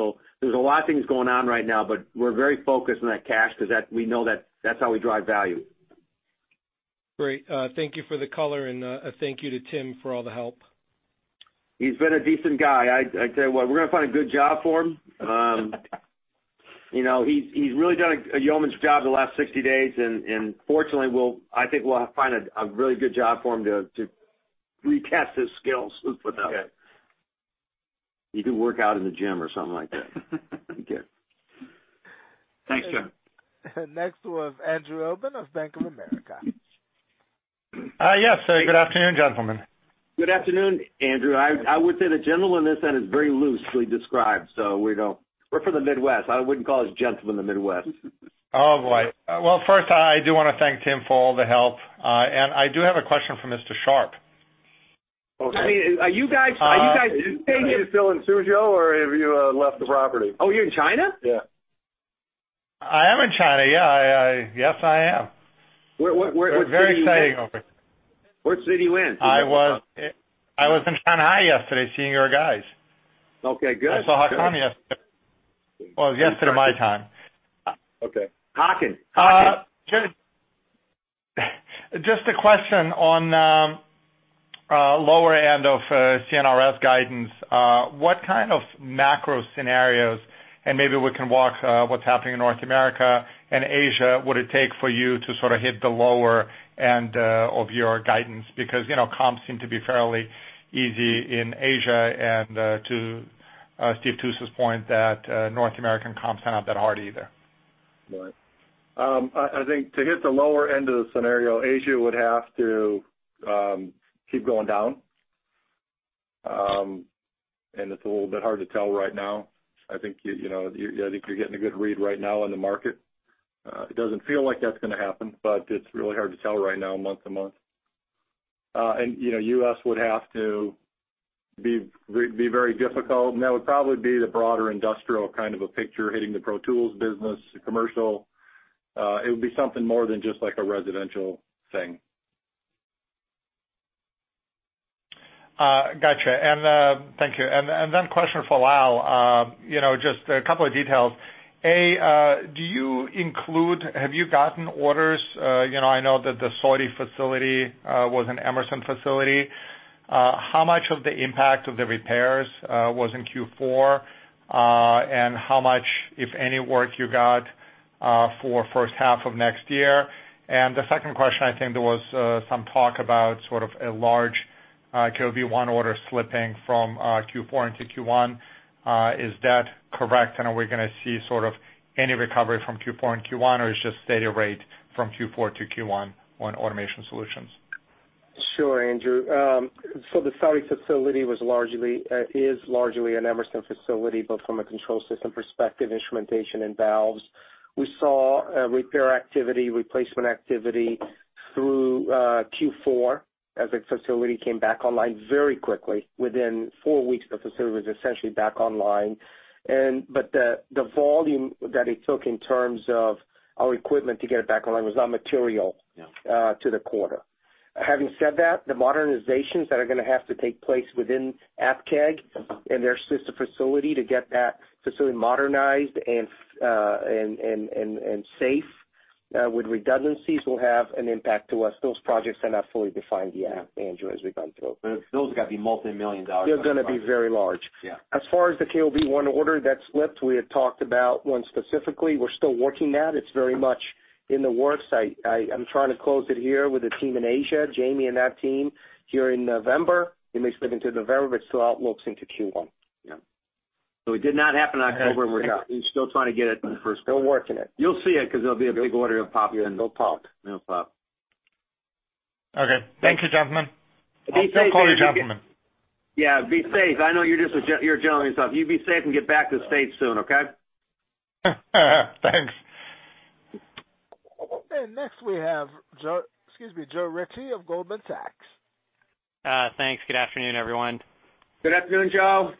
There's a lot of things going on right now, but we're very focused on that cash because we know that's how we drive value. Great. Thank you for the color and thank you to Tim for all the help. He's been a decent guy. I tell you what, we're going to find a good job for him. He's really done a yeoman's job the last 60 days, and fortunately, I think we'll find a really good job for him to recast his skills. Okay. He can work out in the gym or something like that. Okay. Thanks, John. Next was Andrew Obin of Bank of America. Yes. Good afternoon, gentlemen. Good afternoon, Andrew. I would say the gentleman is very loosely described. We're from the Midwest. I wouldn't call us gentlemen in the Midwest. Oh, boy. Well, first I do want to thank Tim for all the help. I do have a question for Mr. Sharp. Are you guys still in Suzhou or have you left the property? Oh, you're in China? Yeah. I am in China, yeah. Yes, I am. What city? We're very exciting over here. What city you in? I was in Shanghai yesterday seeing your guys. Okay, good. I saw Hakan yesterday. Well, yesterday my time. Okay. Hakan. Just a question on lower end of CRS's guidance. What kind of macro scenarios, and maybe we can walk what's happening in North America and Asia, would it take for you to sort of hit the lower end of your guidance? Comps seem to be fairly easy in Asia, and to Steve Tusa's point that North American comps are not that hard either. Right. I think to hit the lower end of the scenario, Asia would have to keep going down. It's a little bit hard to tell right now. I think you're getting a good read right now on the market. It doesn't feel like that's going to happen, but it's really hard to tell right now month to month. U.S. would have to be very difficult, and that would probably be the broader industrial kind of a picture hitting the pro tools business, commercial. It would be something more than just like a residential thing. Got you. Thank you. A question for Lal. Just a couple of details. A, have you gotten orders? I know that the Saudi facility was an Emerson facility. How much of the impact of the repairs was in Q4? How much, if any, work you got for first half of next year? The second question, I think there was some talk about sort of a large KOB1 order slipping from Q4 into Q1. Is that correct? Are we going to see sort of any recovery from Q4 and Q1, or it's just steady rate from Q4 to Q1 on Automation Solutions? Sure, Andrew. The Saudi facility is largely an Emerson facility, both from a control system perspective, instrumentation, and valves. We saw repair activity, replacement activity through Q4 as the facility came back online very quickly. Within four weeks, the facility was essentially back online. The volume that it took in terms of our equipment to get it back online was not material to the quarter. Having said that, the modernizations that are going to have to take place within Abqaiq and their sister facility to get that facility modernized and safe with redundancies will have an impact to us. Those projects are not fully defined yet, Andrew, as we've gone through. Those got to be multi-million dollar. They're going to be very large. Yeah. As far as the KOB1 order that slipped, we had talked about one specifically. We're still working that. It's very much in the works. I'm trying to close it here with a team in Asia, Jamie and that team here in November. It may slip into November, but still outlooks into Q1. Yeah. It did not happen October, and we're still trying to get it in the first quarter. Still working it. You'll see it because it'll be a big order that'll pop in. It'll pop. It'll pop. Okay. Thank you, gentlemen. I'll still call you gentlemen. Yeah, be safe. I know you're a gentleman yourself. You be safe and get back to the States soon, okay? Thanks. Next we have Joe, excuse me, Joe Ritchie of Goldman Sachs. Thanks. Good afternoon, everyone. Good afternoon, Joe.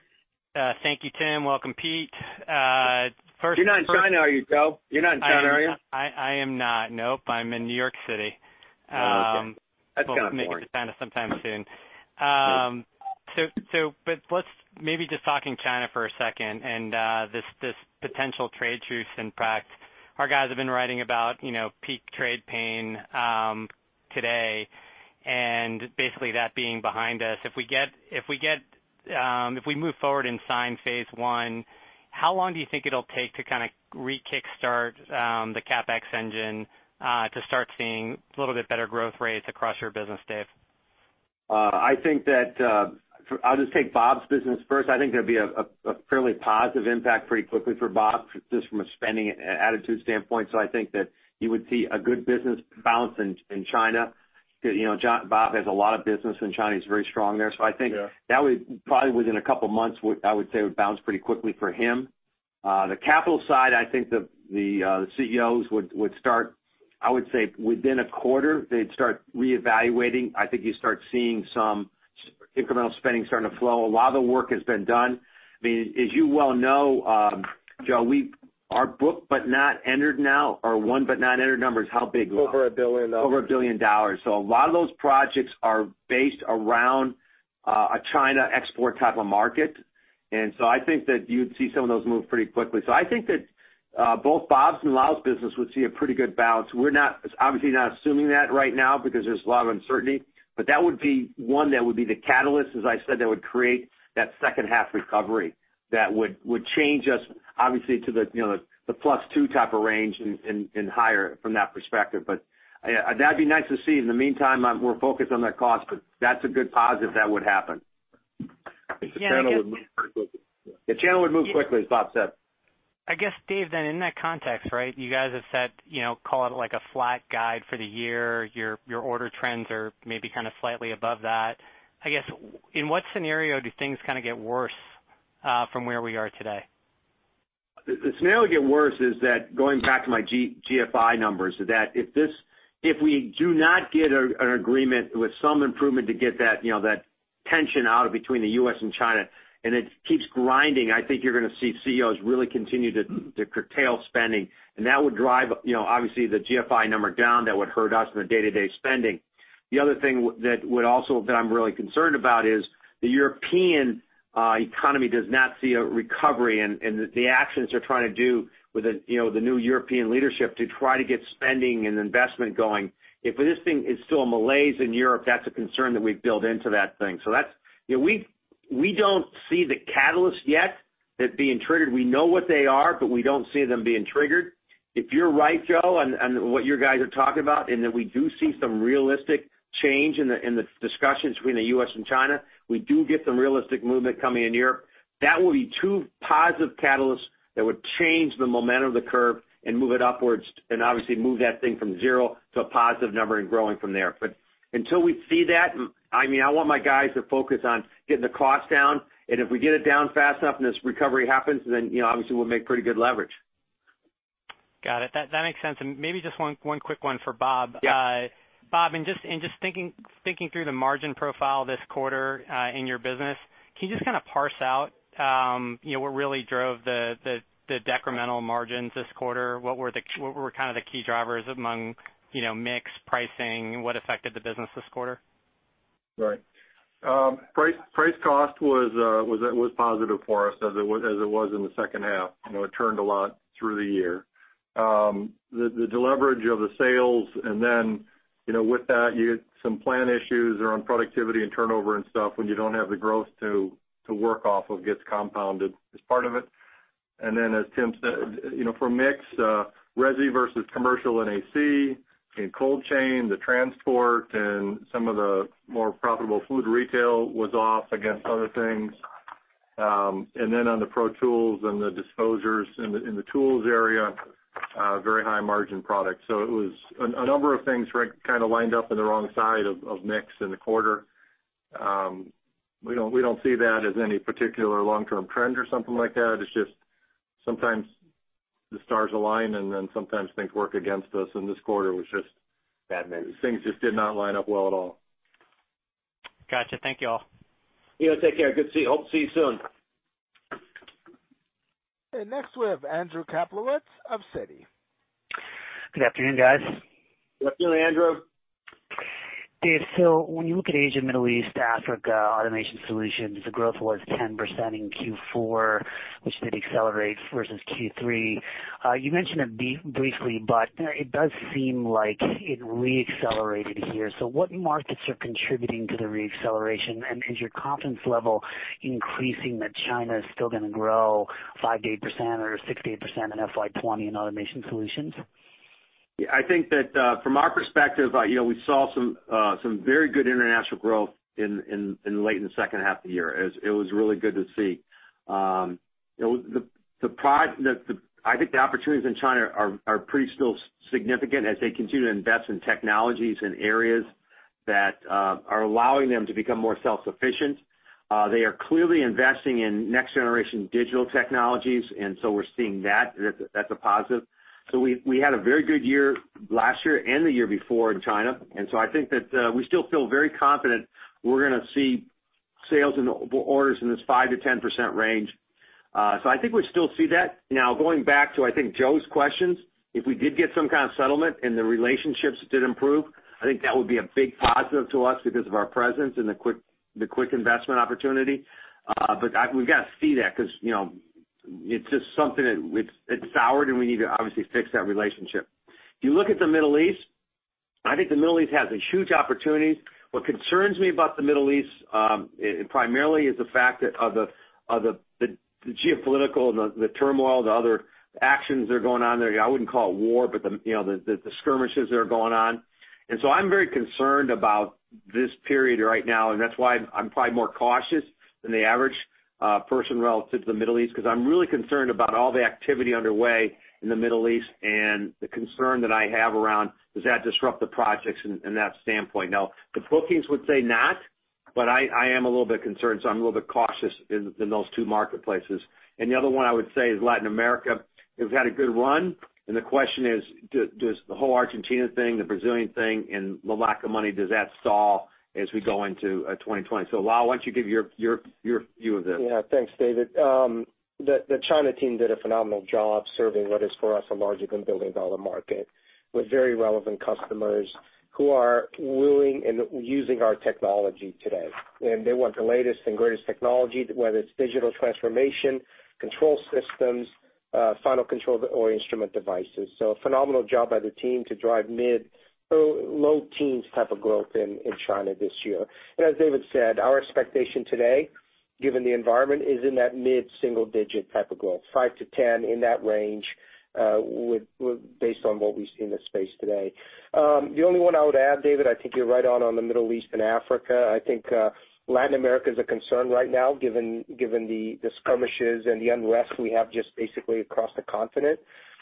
Thank you, Tim. Welcome, Pete. You're not in China, are you, Joe? You're not in China, are you? I am not. Nope. I'm in New York City. Okay. That's kind of boring. We'll make it to China sometime soon. Maybe just talking China for a second, and this potential trade truce impact. Our guys have been writing about peak trade pain today, and basically that being behind us. If we move forward and sign phase one, how long do you think it'll take to kind of re-kickstart the CapEx engine to start seeing a little bit better growth rates across your business, Dave? I'll just take Bob's business first. I think there'd be a fairly positive impact pretty quickly for Bob, just from a spending attitude standpoint. I think that you would see a good business bounce in China. Bob has a lot of business in China. He's very strong there. Yeah. I think that would probably within a couple of months, I would say, would bounce pretty quickly for him. The capital side, I think the CEOs would start, I would say, within a quarter, they'd start reevaluating. I think you start seeing some incremental spending starting to flow. A lot of the work has been done. As you well know, Joe, our booked but not entered now, or one but not entered numbers, how big? Over $1 billion. Over $1 billion. A lot of those projects are based around a China export type of market. I think that you'd see some of those move pretty quickly. I think that both Bob's and Lal's business would see a pretty good bounce. We're obviously not assuming that right now because there's a lot of uncertainty. That would be one that would be the catalyst, as I said, that would create that second half recovery that would change us, obviously, to the plus 2 type of range and higher from that perspective. That'd be nice to see. In the meantime, we're focused on that cost, but that's a good positive that would happen. I think the channel would move pretty quickly. The channel would move quickly, as Bob said. I guess, Dave, in that context, you guys have set, call it like a flat guide for the year. Your order trends are maybe kind of slightly above that. I guess, in what scenario do things kind of get worse from where we are today? The scenario get worse is that going back to my GFI numbers, that if we do not get an agreement with some improvement to get that tension out between the U.S. and China, and it keeps grinding, I think you're going to see CEOs really continue to curtail spending. That would drive obviously the GFI number down. That would hurt us in the day-to-day spending. The other thing that I'm really concerned about is the European economy does not see a recovery, and the actions they're trying to do with the new European leadership to try to get spending and investment going. If this thing is still a malaise in Europe, that's a concern that we've built into that thing. We don't see the catalyst yet being triggered. We know what they are, but we don't see them being triggered. If you're right, Joe, and what your guys are talking about, and that we do see some realistic change in the discussions between the U.S. and China, we do get some realistic movement coming in Europe. That will be two positive catalysts that would change the momentum of the curve and move it upwards, and obviously move that thing from zero to a positive number and growing from there. Until we see that, I want my guys to focus on getting the cost down, and if we get it down fast enough and this recovery happens, then obviously we'll make pretty good leverage. Got it. That makes sense. Maybe just one quick one for Bob. Yeah. Bob, in just thinking through the margin profile this quarter in your business, can you just kind of parse out what really drove the decremental margins this quarter? What were kind of the key drivers among mix pricing? What affected the business this quarter? Right. Price cost was positive for us, as it was in the second half. It turned a lot through the year. The deleverage of the sales, and then with that, you get some plan issues around productivity and turnover and stuff when you don't have the growth to work off of gets compounded as part of it. Then as Tim said, for mix, resi versus commercial and AC in cold chain, the transport, and some of the more profitable food retail was off against other things. Then on the pro tools and the disposers in the tools area, very high margin products. It was a number of things kind of lined up in the wrong side of mix in the quarter. We don't see that as any particular long-term trend or something like that. It's just sometimes the stars align, and then sometimes things work against us, and this quarter was just-. Bad news. things just did not line up well at all. Got you. Thank you all. Take care. Good to see you. Hope to see you soon. Next we have Andrew Kaplowitz of Citi. Good afternoon, guys. Good afternoon, Andrew. Dave, when you look at Asia, Middle East, Africa, Automation Solutions, the growth was 10% in Q4, which did accelerate versus Q3. You mentioned it briefly, it does seem like it re-accelerated here. What markets are contributing to the re-acceleration? Is your confidence level increasing that China is still going to grow 5%-8% or 6%-8% in FY 2020 in Automation Solutions? I think that from our perspective, we saw some very good international growth late in the second half of the year. It was really good to see. I think the opportunities in China are pretty still significant as they continue to invest in technologies in areas that are allowing them to become more self-sufficient. They are clearly investing in next generation digital technologies, we're seeing that. That's a positive. We had a very good year last year and the year before in China, I think that we still feel very confident we're going to see sales and orders in this 5%-10% range. I think we still see that. Going back to, I think, Joe's questions, if we did get some kind of settlement and the relationships did improve, I think that would be a big positive to us because of our presence and the quick investment opportunity. We've got to see that because it's just something that it's soured, and we need to obviously fix that relationship. If you look at the Middle East, I think the Middle East has a huge opportunity. What concerns me about the Middle East, primarily, is the fact that the geopolitical and the turmoil, the other actions that are going on there, I wouldn't call it war, but the skirmishes that are going on. I'm very concerned about this period right now, and that's why I'm probably more cautious than the average person relative to the Middle East, because I'm really concerned about all the activity underway in the Middle East and the concern that I have around, does that disrupt the projects in that standpoint. The bookings would say not, but I am a little bit concerned. I'm a little bit cautious in those two marketplaces. The other one I would say is Latin America. They've had a good run, and the question is, does the whole Argentina thing, the Brazilian thing, and the lack of money, does that stall as we go into 2020? Lal, why don't you give your view of this? Thanks, David. The China team did a phenomenal job serving what is for us, a larger than billion-dollar market with very relevant customers who are willing and using our technology today. They want the latest and greatest technology, whether it's digital transformation, control systems, final control or instrument devices. A phenomenal job by the team to drive mid to low teens type of growth in China this year. As David said, our expectation today, given the environment, is in that mid-single digit type of growth, 5 to 10 in that range, based on what we see in the space today. The only one I would add, David, I think you're right on the Middle East and Africa. I think Latin America is a concern right now, given the skirmishes and the unrest we have just basically across the continent.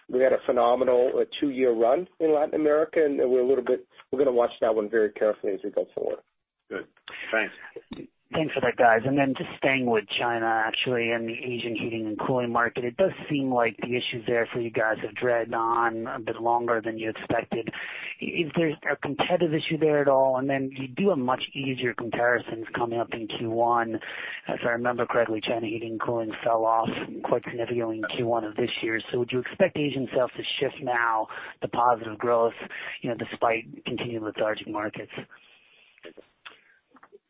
We had a phenomenal two-year run in Latin America, and we're going to watch that one very carefully as we go forward. Good. Thanks. Thanks for that, guys. Just staying with China, actually, and the Asian heating and cooling market, it does seem like the issues there for you guys have dragged on a bit longer than you expected. Is there a competitive issue there at all? You do have much easier comparisons coming up in Q1. If I remember correctly, China heating and cooling fell off quite significantly in Q1 of this year. Would you expect Asian sales to shift now to positive growth despite continuing lethargic markets? Yeah.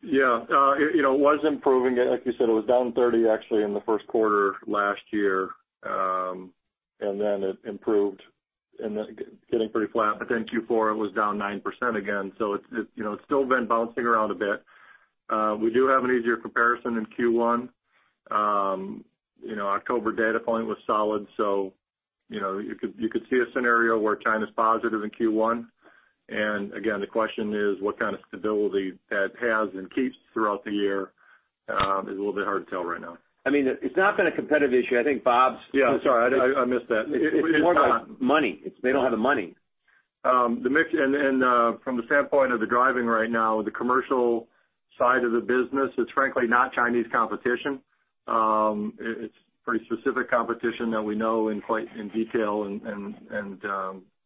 It was improving. Like you said, it was down 30, actually in the first quarter last year, and then it improved and then getting pretty flat. Q4, it was down 9% again. It's still been bouncing around a bit. We do have an easier comparison in Q1. October data point was solid. You could see a scenario where China is positive in Q1. Again, the question is, what kind of stability that has and keeps throughout the year is a little bit hard to tell right now. It's not been a competitive issue. Yeah. I'm sorry. I missed that. It's more about money. They don't have the money. From the standpoint of the driving right now, the commercial side of the business, it's frankly not Chinese competition. It's pretty specific competition that we know in detail.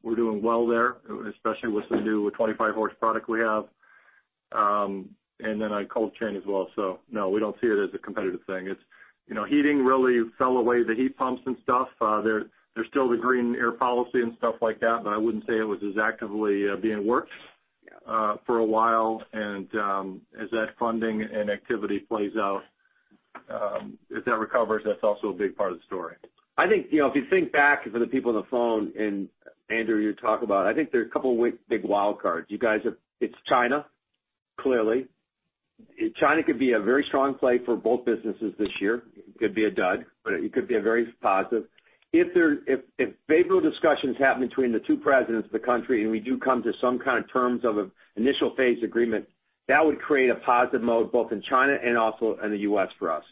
We're doing well there, especially with the new 25 horsepower product we have, and then on cold chain as well. No, we don't see it as a competitive thing. Heating really fell away, the heat pumps and stuff. There's still the green air policy and stuff like that, but I wouldn't say it was as actively being worked for a while. As that funding and activity plays out, if that recovers, that's also a big part of the story. I think if you think back for the people on the phone and Andrew, you talk about, I think there are a couple of big wild cards. It's China, clearly. China could be a very strong play for both businesses this year. It could be a dud, but it could be a very positive. If favorable discussions happen between the two presidents of the country, and we do come to some kind of terms of an initial phase agreement, that would create a positive mode both in China and also in the U.S. for us.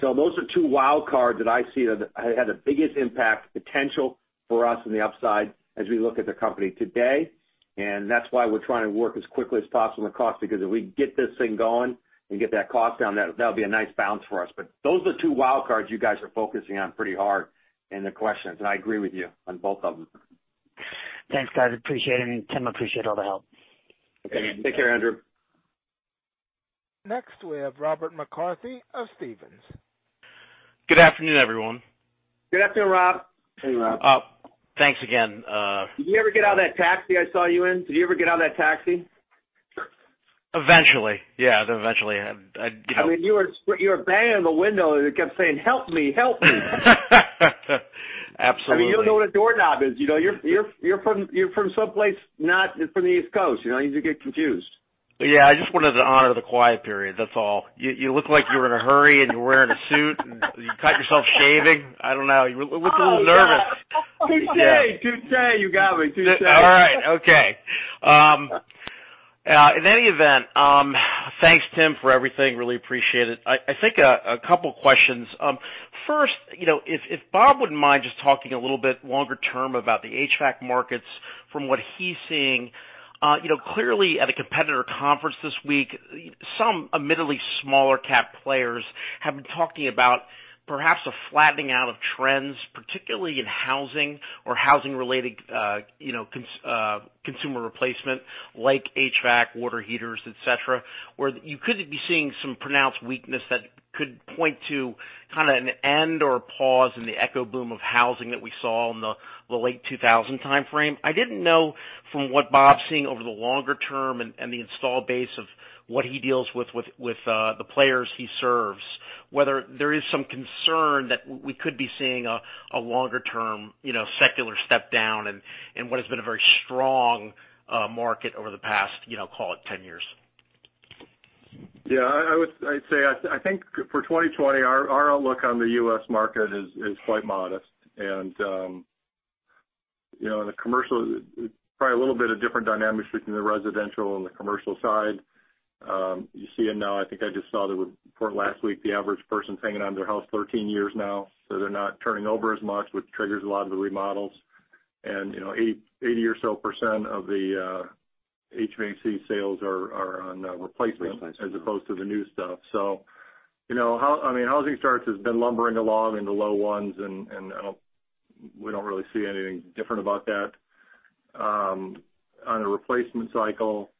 Those are two wild cards that I see that have the biggest impact potential for us in the upside as we look at the company today. That's why we're trying to work as quickly as possible on the cost because if we can get this thing going and get that cost down, that'll be a nice bounce for us. Those are the two wild cards you guys are focusing on pretty hard in the questions, and I agree with you on both of them. Thanks, guys. Appreciate it. Tim, appreciate all the help. Take care, Andrew. Next we have Robert McCarthy of Stephens. Good afternoon, everyone. Good afternoon, Rob. Hey, Rob. Thanks again. Did you ever get out of that taxi I saw you in? Did you ever get out of that taxi? Eventually. Yeah, eventually. You were banging on the window, and it kept saying, "Help me, help me. Absolutely. You don't know what a doorknob is. You're from someplace not from the East Coast. You get confused. Yeah, I just wanted to honor the quiet period, that's all. You look like you were in a hurry, and you were wearing a suit, and you cut yourself shaving. I don't know. You looked a little nervous. Touché. You got me. Touché. All right. Okay. In any event, thanks, Tim, for everything. Really appreciate it. I think a couple questions. First, if Bob wouldn't mind just talking a little bit longer term about the HVAC markets from what he's seeing. Clearly at a competitor conference this week, some admittedly smaller cap players have been talking about perhaps a flattening out of trends, particularly in housing or housing related consumer replacement like HVAC, water heaters, et cetera, where you could be seeing some pronounced weakness that could point to kind of an end or pause in the echo boom of housing that we saw in the late 2000 timeframe. I didn't know from what Bob's seeing over the longer term and the install base of what he deals with the players he serves, whether there is some concern that we could be seeing a longer-term secular step down in what has been a very strong market over the past call it 10 years. Yeah, I think for 2020, our outlook on the U.S. market is quite modest. Probably a little bit of different dynamics between the residential and the commercial side. You see it now, I think I just saw the report last week. The average person's hanging onto their house 13 years now, so they're not turning over as much, which triggers a lot of the remodels. 80% or so of the HVAC sales are on replacement- Replacement as opposed to the new stuff. Housing starts has been lumbering along in the low ones, and we don't really see anything different about that. On a replacement cycle.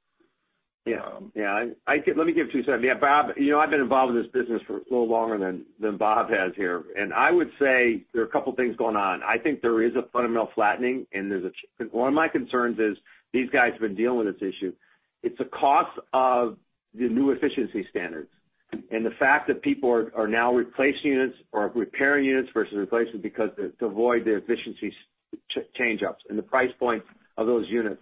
Let me give two cents. I've been involved in this business for a little longer than Bob has here, and I would say there are a couple of things going on. I think there is a fundamental flattening, and one of my concerns is these guys have been dealing with this issue. It's a cost of the new efficiency standards, and the fact that people are now replacing units or repairing units versus replacing because to avoid the efficiency change-ups and the price point of those units.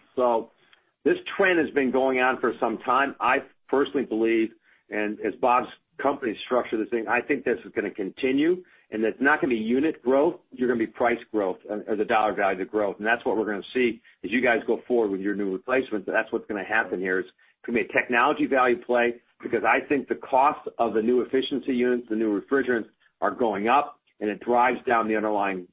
This trend has been going on for some time. I personally believe, and as Bob's company is structured this thing, I think this is going to continue, and it's not going to be unit growth. You're going to be price growth as a dollar value to growth. That's what we're going to see as you guys go forward with your new replacements. That's what's going to happen here. It's going to be a technology value play because I think the cost of the new efficiency units, the new refrigerants, are going up, and it drives down the underlying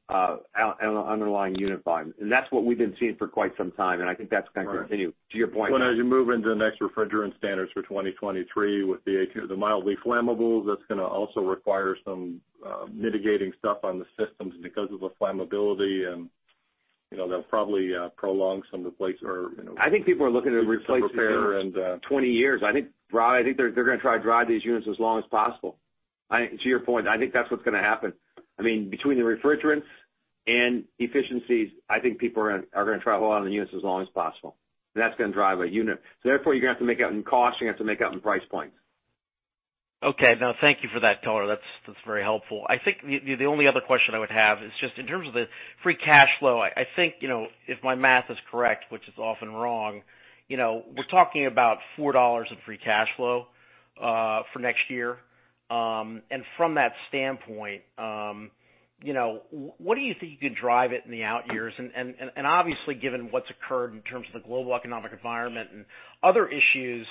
unit volume. That's what we've been seeing for quite some time, and I think that's going to continue. To your point. Well, as you move into the next refrigerant standards for 2023 with the mildly flammable, that's going to also require some mitigating stuff on the systems because of the flammability, and that'll probably prolong some replace or some repair. I think people are looking to replace these units 20 years. I think they're going to try to drive these units as long as possible. To your point, I think that's what's going to happen. Between the refrigerants and efficiencies, I think people are going to try to hold onto the units as long as possible. That's going to drive a unit. Therefore, you're going to have to make up in cost, you're going to have to make up in price points. Okay. No, thank you for that, David. That's very helpful. I think the only other question I would have is just in terms of the free cash flow. I think, if my math is correct, which is often wrong, we're talking about four in free cash flow for next year. From that standpoint, what do you think you can drive it in the out years? Obviously, given what's occurred in terms of the global economic environment and other issues,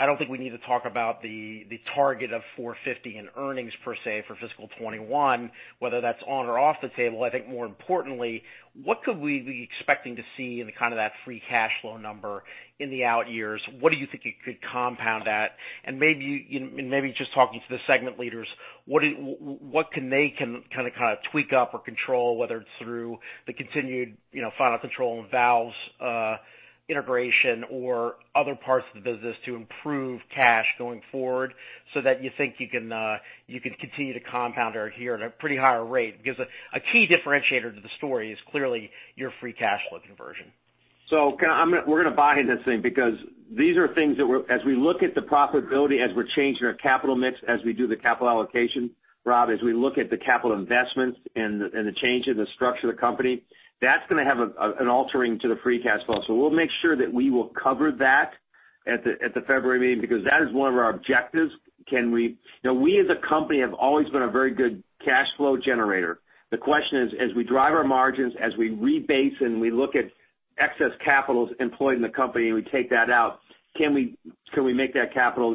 I don't think we need to talk about the target of $450 in earnings per se for fiscal 2021, whether that's on or off the table. I think more importantly, what could we be expecting to see in kind of that free cash flow number in the out years? What do you think it could compound at? Maybe just talking to the segment leaders, what can they kind of tweak up or control, whether it's through the continued final control on valves integration or other parts of the business to improve cash going forward so that you think you can continue to compound out here at a pretty high rate? Because a key differentiator to the story is clearly your free cash flow conversion. We're going to buy into this thing because these are things that as we look at the profitability, as we're changing our capital mix, as we do the capital allocation, Rob, as we look at the capital investments and the change in the structure of the company. That's going to have an altering to the free cash flow. We'll make sure that we will cover that at the February meeting, because that is one of our objectives. We as a company have always been a very good cash flow generator. The question is, as we drive our margins, as we rebase and we look at excess capitals employed in the company, and we take that out, can we make that cash flow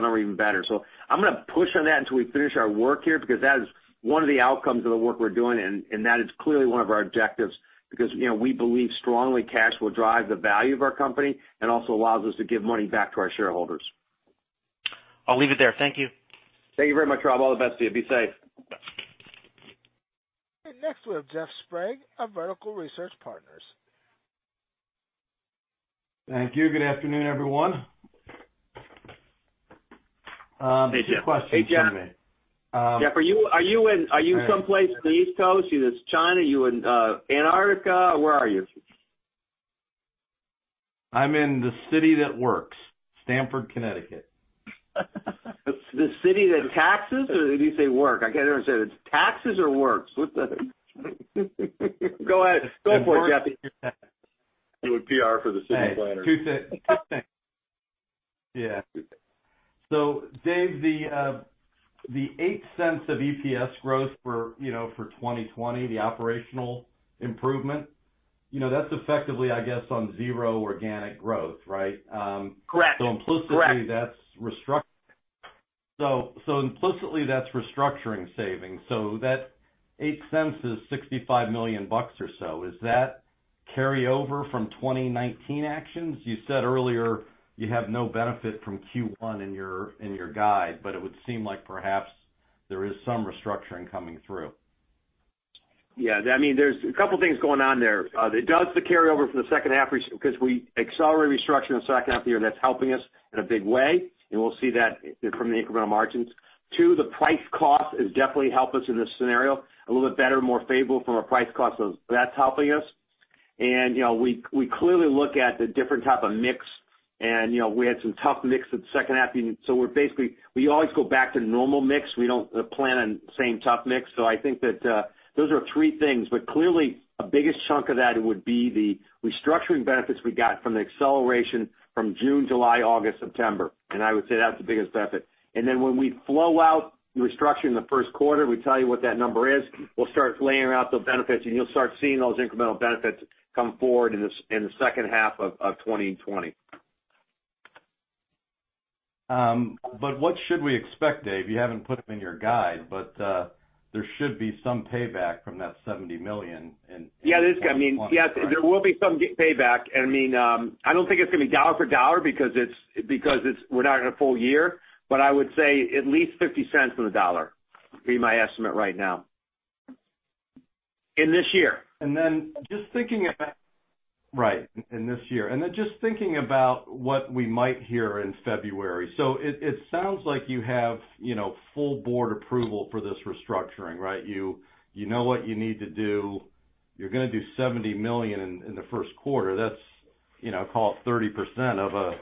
number even better? I'm going to push on that until we finish our work here, because that is one of the outcomes of the work we're doing, and that is clearly one of our objectives, because we believe strongly cash will drive the value of our company and also allows us to give money back to our shareholders. I'll leave it there. Thank you. Thank you very much, Rob. All the best to you. Be safe. Next, we have Jeff Sprague of Vertical Research Partners. Thank you. Good afternoon, everyone. Hey, Jeff. Question for me? Hey, Jeff. Jeff, are you someplace in the East Coast? You in China? You in Antarctica? Where are you? I'm in the city that works. Stamford, Connecticut. The city that taxes? Or did you say work? I can't understand. It's taxes or works? Go ahead. Go for it, Jeff. It works. Doing PR for the city planners. Two things. Yeah. Dave, the $0.08 of EPS growth for 2020, the operational improvement. That's effectively, I guess, on zero organic growth, right? Correct. Implicitly, that's restructuring. Implicitly that's restructuring savings. That $0.08 is $65 million or so. Is that carryover from 2019 actions? You said earlier you have no benefit from Q1 in your guide, but it would seem like perhaps there is some restructuring coming through. Yeah. There's a couple things going on there. It does carry over from the second half because we accelerated restructuring in the second half of the year, and that's helping us in a big way, and we'll see that from the incremental margins. Two, the price cost has definitely helped us in this scenario, a little bit better, more favorable from a price cost, that's helping us. We clearly look at the different type of mix, and we had some tough mix in the second half. We always go back to normal mix. We don't plan on the same tough mix. I think that those are three things. Clearly the biggest chunk of that would be the restructuring benefits we got from the acceleration from June, July, August, September, and I would say that's the biggest benefit. When we flow out the restructuring in the first quarter, we tell you what that number is, we'll start layering out the benefits, and you'll start seeing those incremental benefits come forward in the second half of 2020. What should we expect, Dave? You haven't put it in your guide, but there should be some payback from that $70 million in 2020, right? Yeah. There will be some payback. I don't think it's going to be dollar for dollar because we're not in a full year, but I would say at least $0.50 on the dollar would be my estimate right now. In this year. Right. Just thinking about what we might hear in February. It sounds like you have full board approval for this restructuring, right? You know what you need to do. You're going to do $70 million in the first quarter. That's, call it 30% of a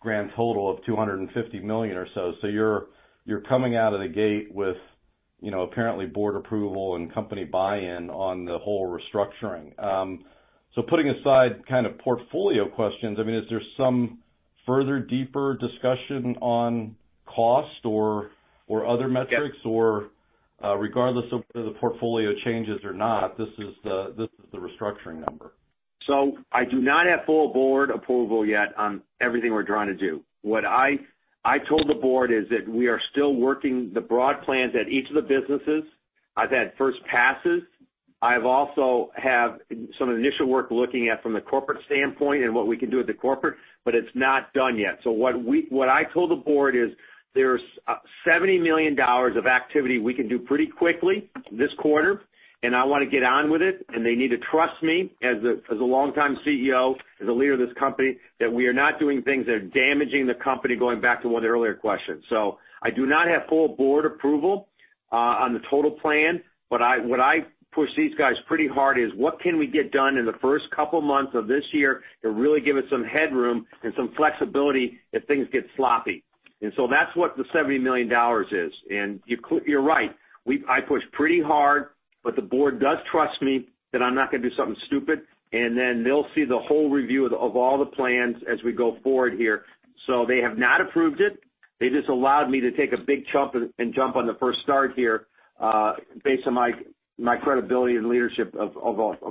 grand total of $250 million or so. You're coming out of the gate with apparently board approval and company buy-in on the whole restructuring. Putting aside kind of portfolio questions, is there some further deeper discussion on cost or other metrics? Yes. Regardless of whether the portfolio changes or not, this is the restructuring number? I do not have full Board approval yet on everything we're trying to do. What I told the Board is that we are still working the broad plans at each of the businesses. I've had first passes. I also have some of the initial work looking at from the corporate standpoint and what we can do at the corporate, but it's not done yet. What I told the Board is there's $70 million of activity we can do pretty quickly this quarter, and I want to get on with it, and they need to trust me as a longtime CEO, as a leader of this company, that we are not doing things that are damaging the company, going back to one of the earlier questions. I do not have full Board approval on the total plan, but what I pushed these guys pretty hard is what can we get done in the first couple of months of this year to really give it some headroom and some flexibility if things get sloppy? That's what the $70 million is. You're right, I pushed pretty hard, but the Board does trust me that I'm not going to do something stupid, and then they'll see the whole review of all the plans as we go forward here. They have not approved it. They just allowed me to take a big chunk and jump on the first start here based on my credibility and leadership of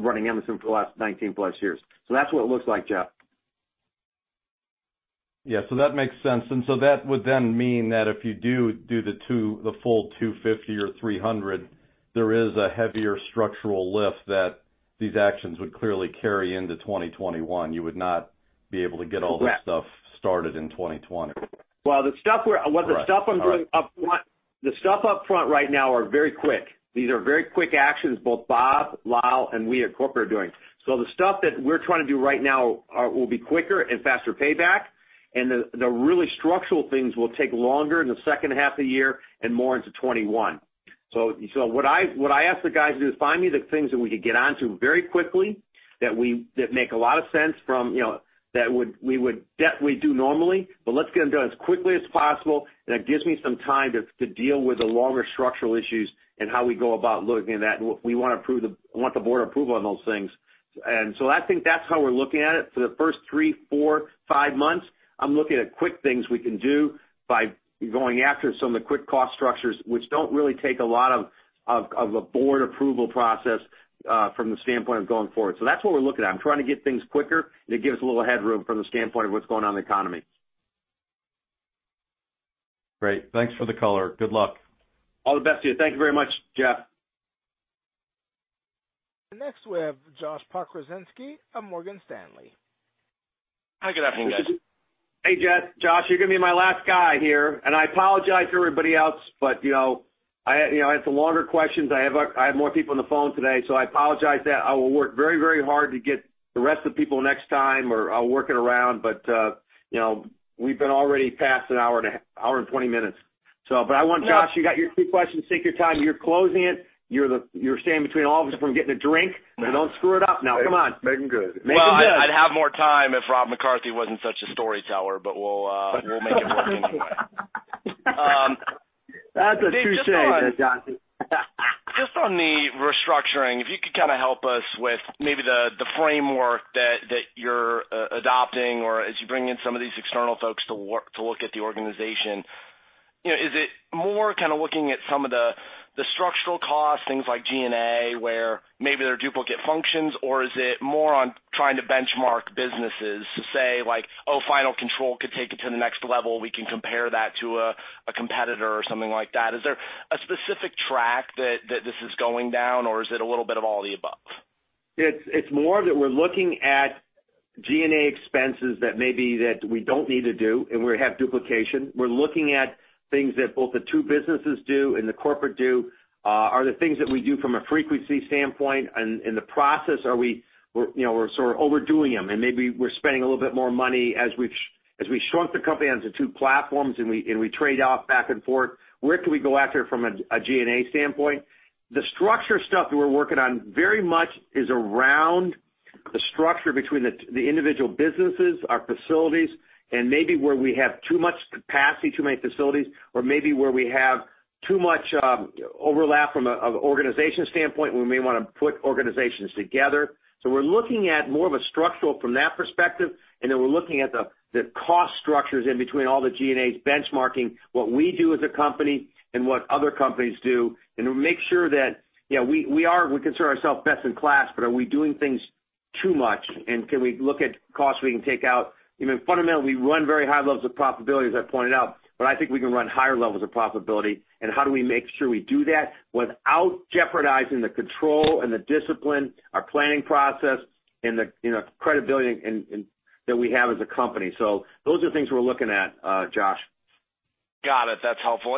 running Emerson for the last 19-plus years. That's what it looks like, Jeff. Yeah. That makes sense. That would then mean that if you do the full $250 or $300, there is a heavier structural lift that these actions would clearly carry into 2021. You would not be able to get all this stuff started in 2020. The stuff I'm doing upfront right now are very quick. These are very quick actions, both Bob, Lal, and we at corporate are doing. The stuff that we're trying to do right now will be quicker and faster payback, and the really structural things will take longer in the second half of the year and more into 2021. What I asked the guys to do is find me the things that we could get onto very quickly that make a lot of sense, that we'd do normally, but let's get them done as quickly as possible, and it gives me some time to deal with the longer structural issues and how we go about looking at that, and we want the board approval on those things. I think that's how we're looking at it. For the first three, four, five months, I'm looking at quick things we can do by going after some of the quick cost structures, which don't really take a lot of a board approval process from the standpoint of going forward. That's what we're looking at. I'm trying to get things quicker. It gives us a little headroom from the standpoint of what's going on in the economy. Great. Thanks for the color. Good luck. All the best to you. Thank you very much, Jeff. Next, we have Joshua Pokrzywinski of Morgan Stanley. Hi, good afternoon, guys. Hey, Josh. You're going to be my last guy here, and I apologize to everybody else, but I have some longer questions. I have more people on the phone today, so I apologize that I will work very hard to get the rest of the people next time, or I'll work it around. We've been already past an hour and 20 minutes. I want, Josh, you got your two questions. Take your time. You're closing it. You're standing between all of us from getting a drink. Don't screw it up now. Come on. Make them good. Make them good. Well, I'd have more time if Rob McCarthy wasn't such a storyteller, but we'll make it work anyway. That's a true shame there, Josh. Dave, just. Just on the restructuring, if you could kind of help us with maybe the framework that you're adopting or as you bring in some of these external folks to look at the organization. Is it more kind of looking at some of the structural costs, things like G&A, where maybe there are duplicate functions? Is it more on trying to benchmark businesses to say, like, "Oh, final control could take it to the next level. We can compare that to a competitor," or something like that. Is there a specific track that this is going down, or is it a little bit of all the above? It's more that we're looking at G&A expenses that maybe that we don't need to do and we have duplication. We're looking at things that both the two businesses do and the corporate do. Are there things that we do from a frequency standpoint and the process, are we sort of overdoing them and maybe we're spending a little bit more money as we shrunk the company onto two platforms and we trade off back and forth. Where can we go after from a G&A standpoint? The structure stuff that we're working on very much is around the structure between the individual businesses, our facilities, and maybe where we have too much capacity, too many facilities, or maybe where we have too much overlap from an organization standpoint, we may want to put organizations together. We're looking at more of a structural from that perspective, and then we're looking at the cost structures in between all the G&As, benchmarking what we do as a company and what other companies do, and to make sure that we consider ourselves best in class, but are we doing things too much and can we look at costs we can take out? Fundamentally, we run very high levels of profitability, as I pointed out, but I think we can run higher levels of profitability. How do we make sure we do that without jeopardizing the control and the discipline, our planning process, and the credibility that we have as a company? Those are things we're looking at, Josh. Got it. That's helpful.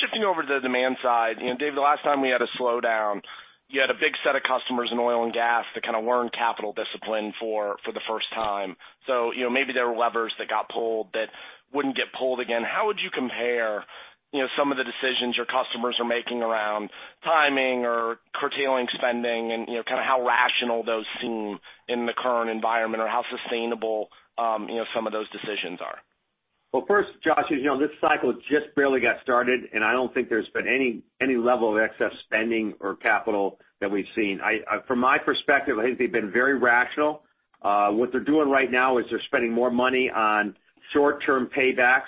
Shifting over to the demand side. Dave, the last time we had a slowdown, you had a big set of customers in oil and gas that kind of learned capital discipline for the first time. Maybe there were levers that got pulled that wouldn't get pulled again. How would you compare some of the decisions your customers are making around timing or curtailing spending and kind of how rational those seem in the current environment or how sustainable some of those decisions are? Well, first, Josh, as you know, this cycle just barely got started, and I don't think there's been any level of excess spending or capital that we've seen. From my perspective, I think they've been very rational. What they're doing right now is they're spending more money on short-term paybacks,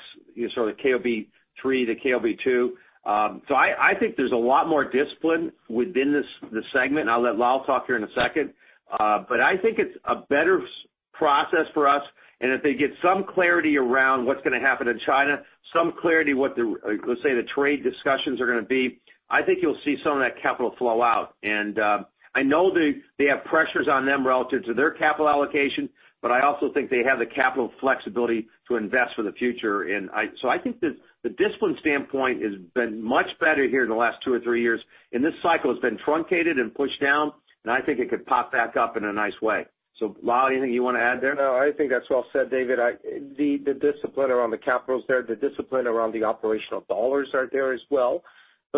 sort of KOB-3 to KOB2. I think there's a lot more discipline within the segment, and I'll let Lal talk here in a second. I think it's a better process for us, and if they get some clarity around what's going to happen in China, some clarity what, let's say, the trade discussions are going to be, I think you'll see some of that capital flow out. I know they have pressures on them relative to their capital allocation, but I also think they have the capital flexibility to invest for the future. I think the discipline standpoint has been much better here in the last two or three years, and this cycle has been truncated and pushed down, and I think it could pop back up in a nice way. Lal, anything you want to add there? I think that's well said, David. The discipline around the capital is there. The discipline around the operational dollars are there as well.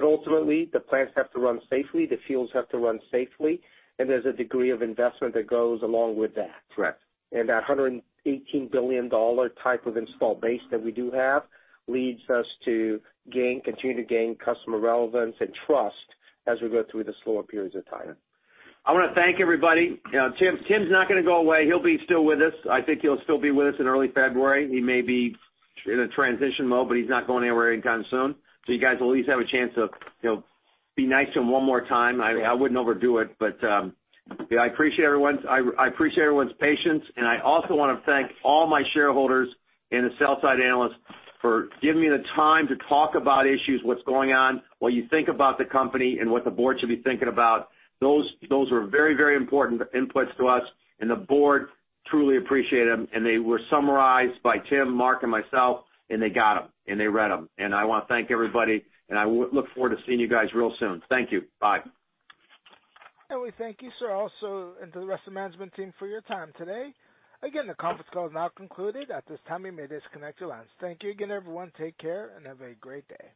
Ultimately, the plants have to run safely, the fields have to run safely, and there's a degree of investment that goes along with that. Correct. That $118 billion type of install base that we do have leads us to continue to gain customer relevance and trust as we go through the slower periods of time. I want to thank everybody. Tim's not going to go away. He'll be still with us. I think he'll still be with us in early February. He may be in a transition mode, but he's not going anywhere anytime soon. You guys will at least have a chance to be nice to him one more time. I wouldn't overdo it, but I appreciate everyone's patience, and I also want to thank all my shareholders and the sell-side analysts for giving me the time to talk about issues, what's going on, what you think about the company and what the board should be thinking about. Those were very, very important inputs to us, and the board truly appreciate them. They were summarized by Tim, Mark, and myself, and they got them, and they read them. I want to thank everybody, and I look forward to seeing you guys real soon. Thank you. Bye. We thank you, sir, also, and to the rest of the management team for your time today. Again, the conference call is now concluded. At this time, you may disconnect your lines. Thank you again, everyone. Take care and have a great day.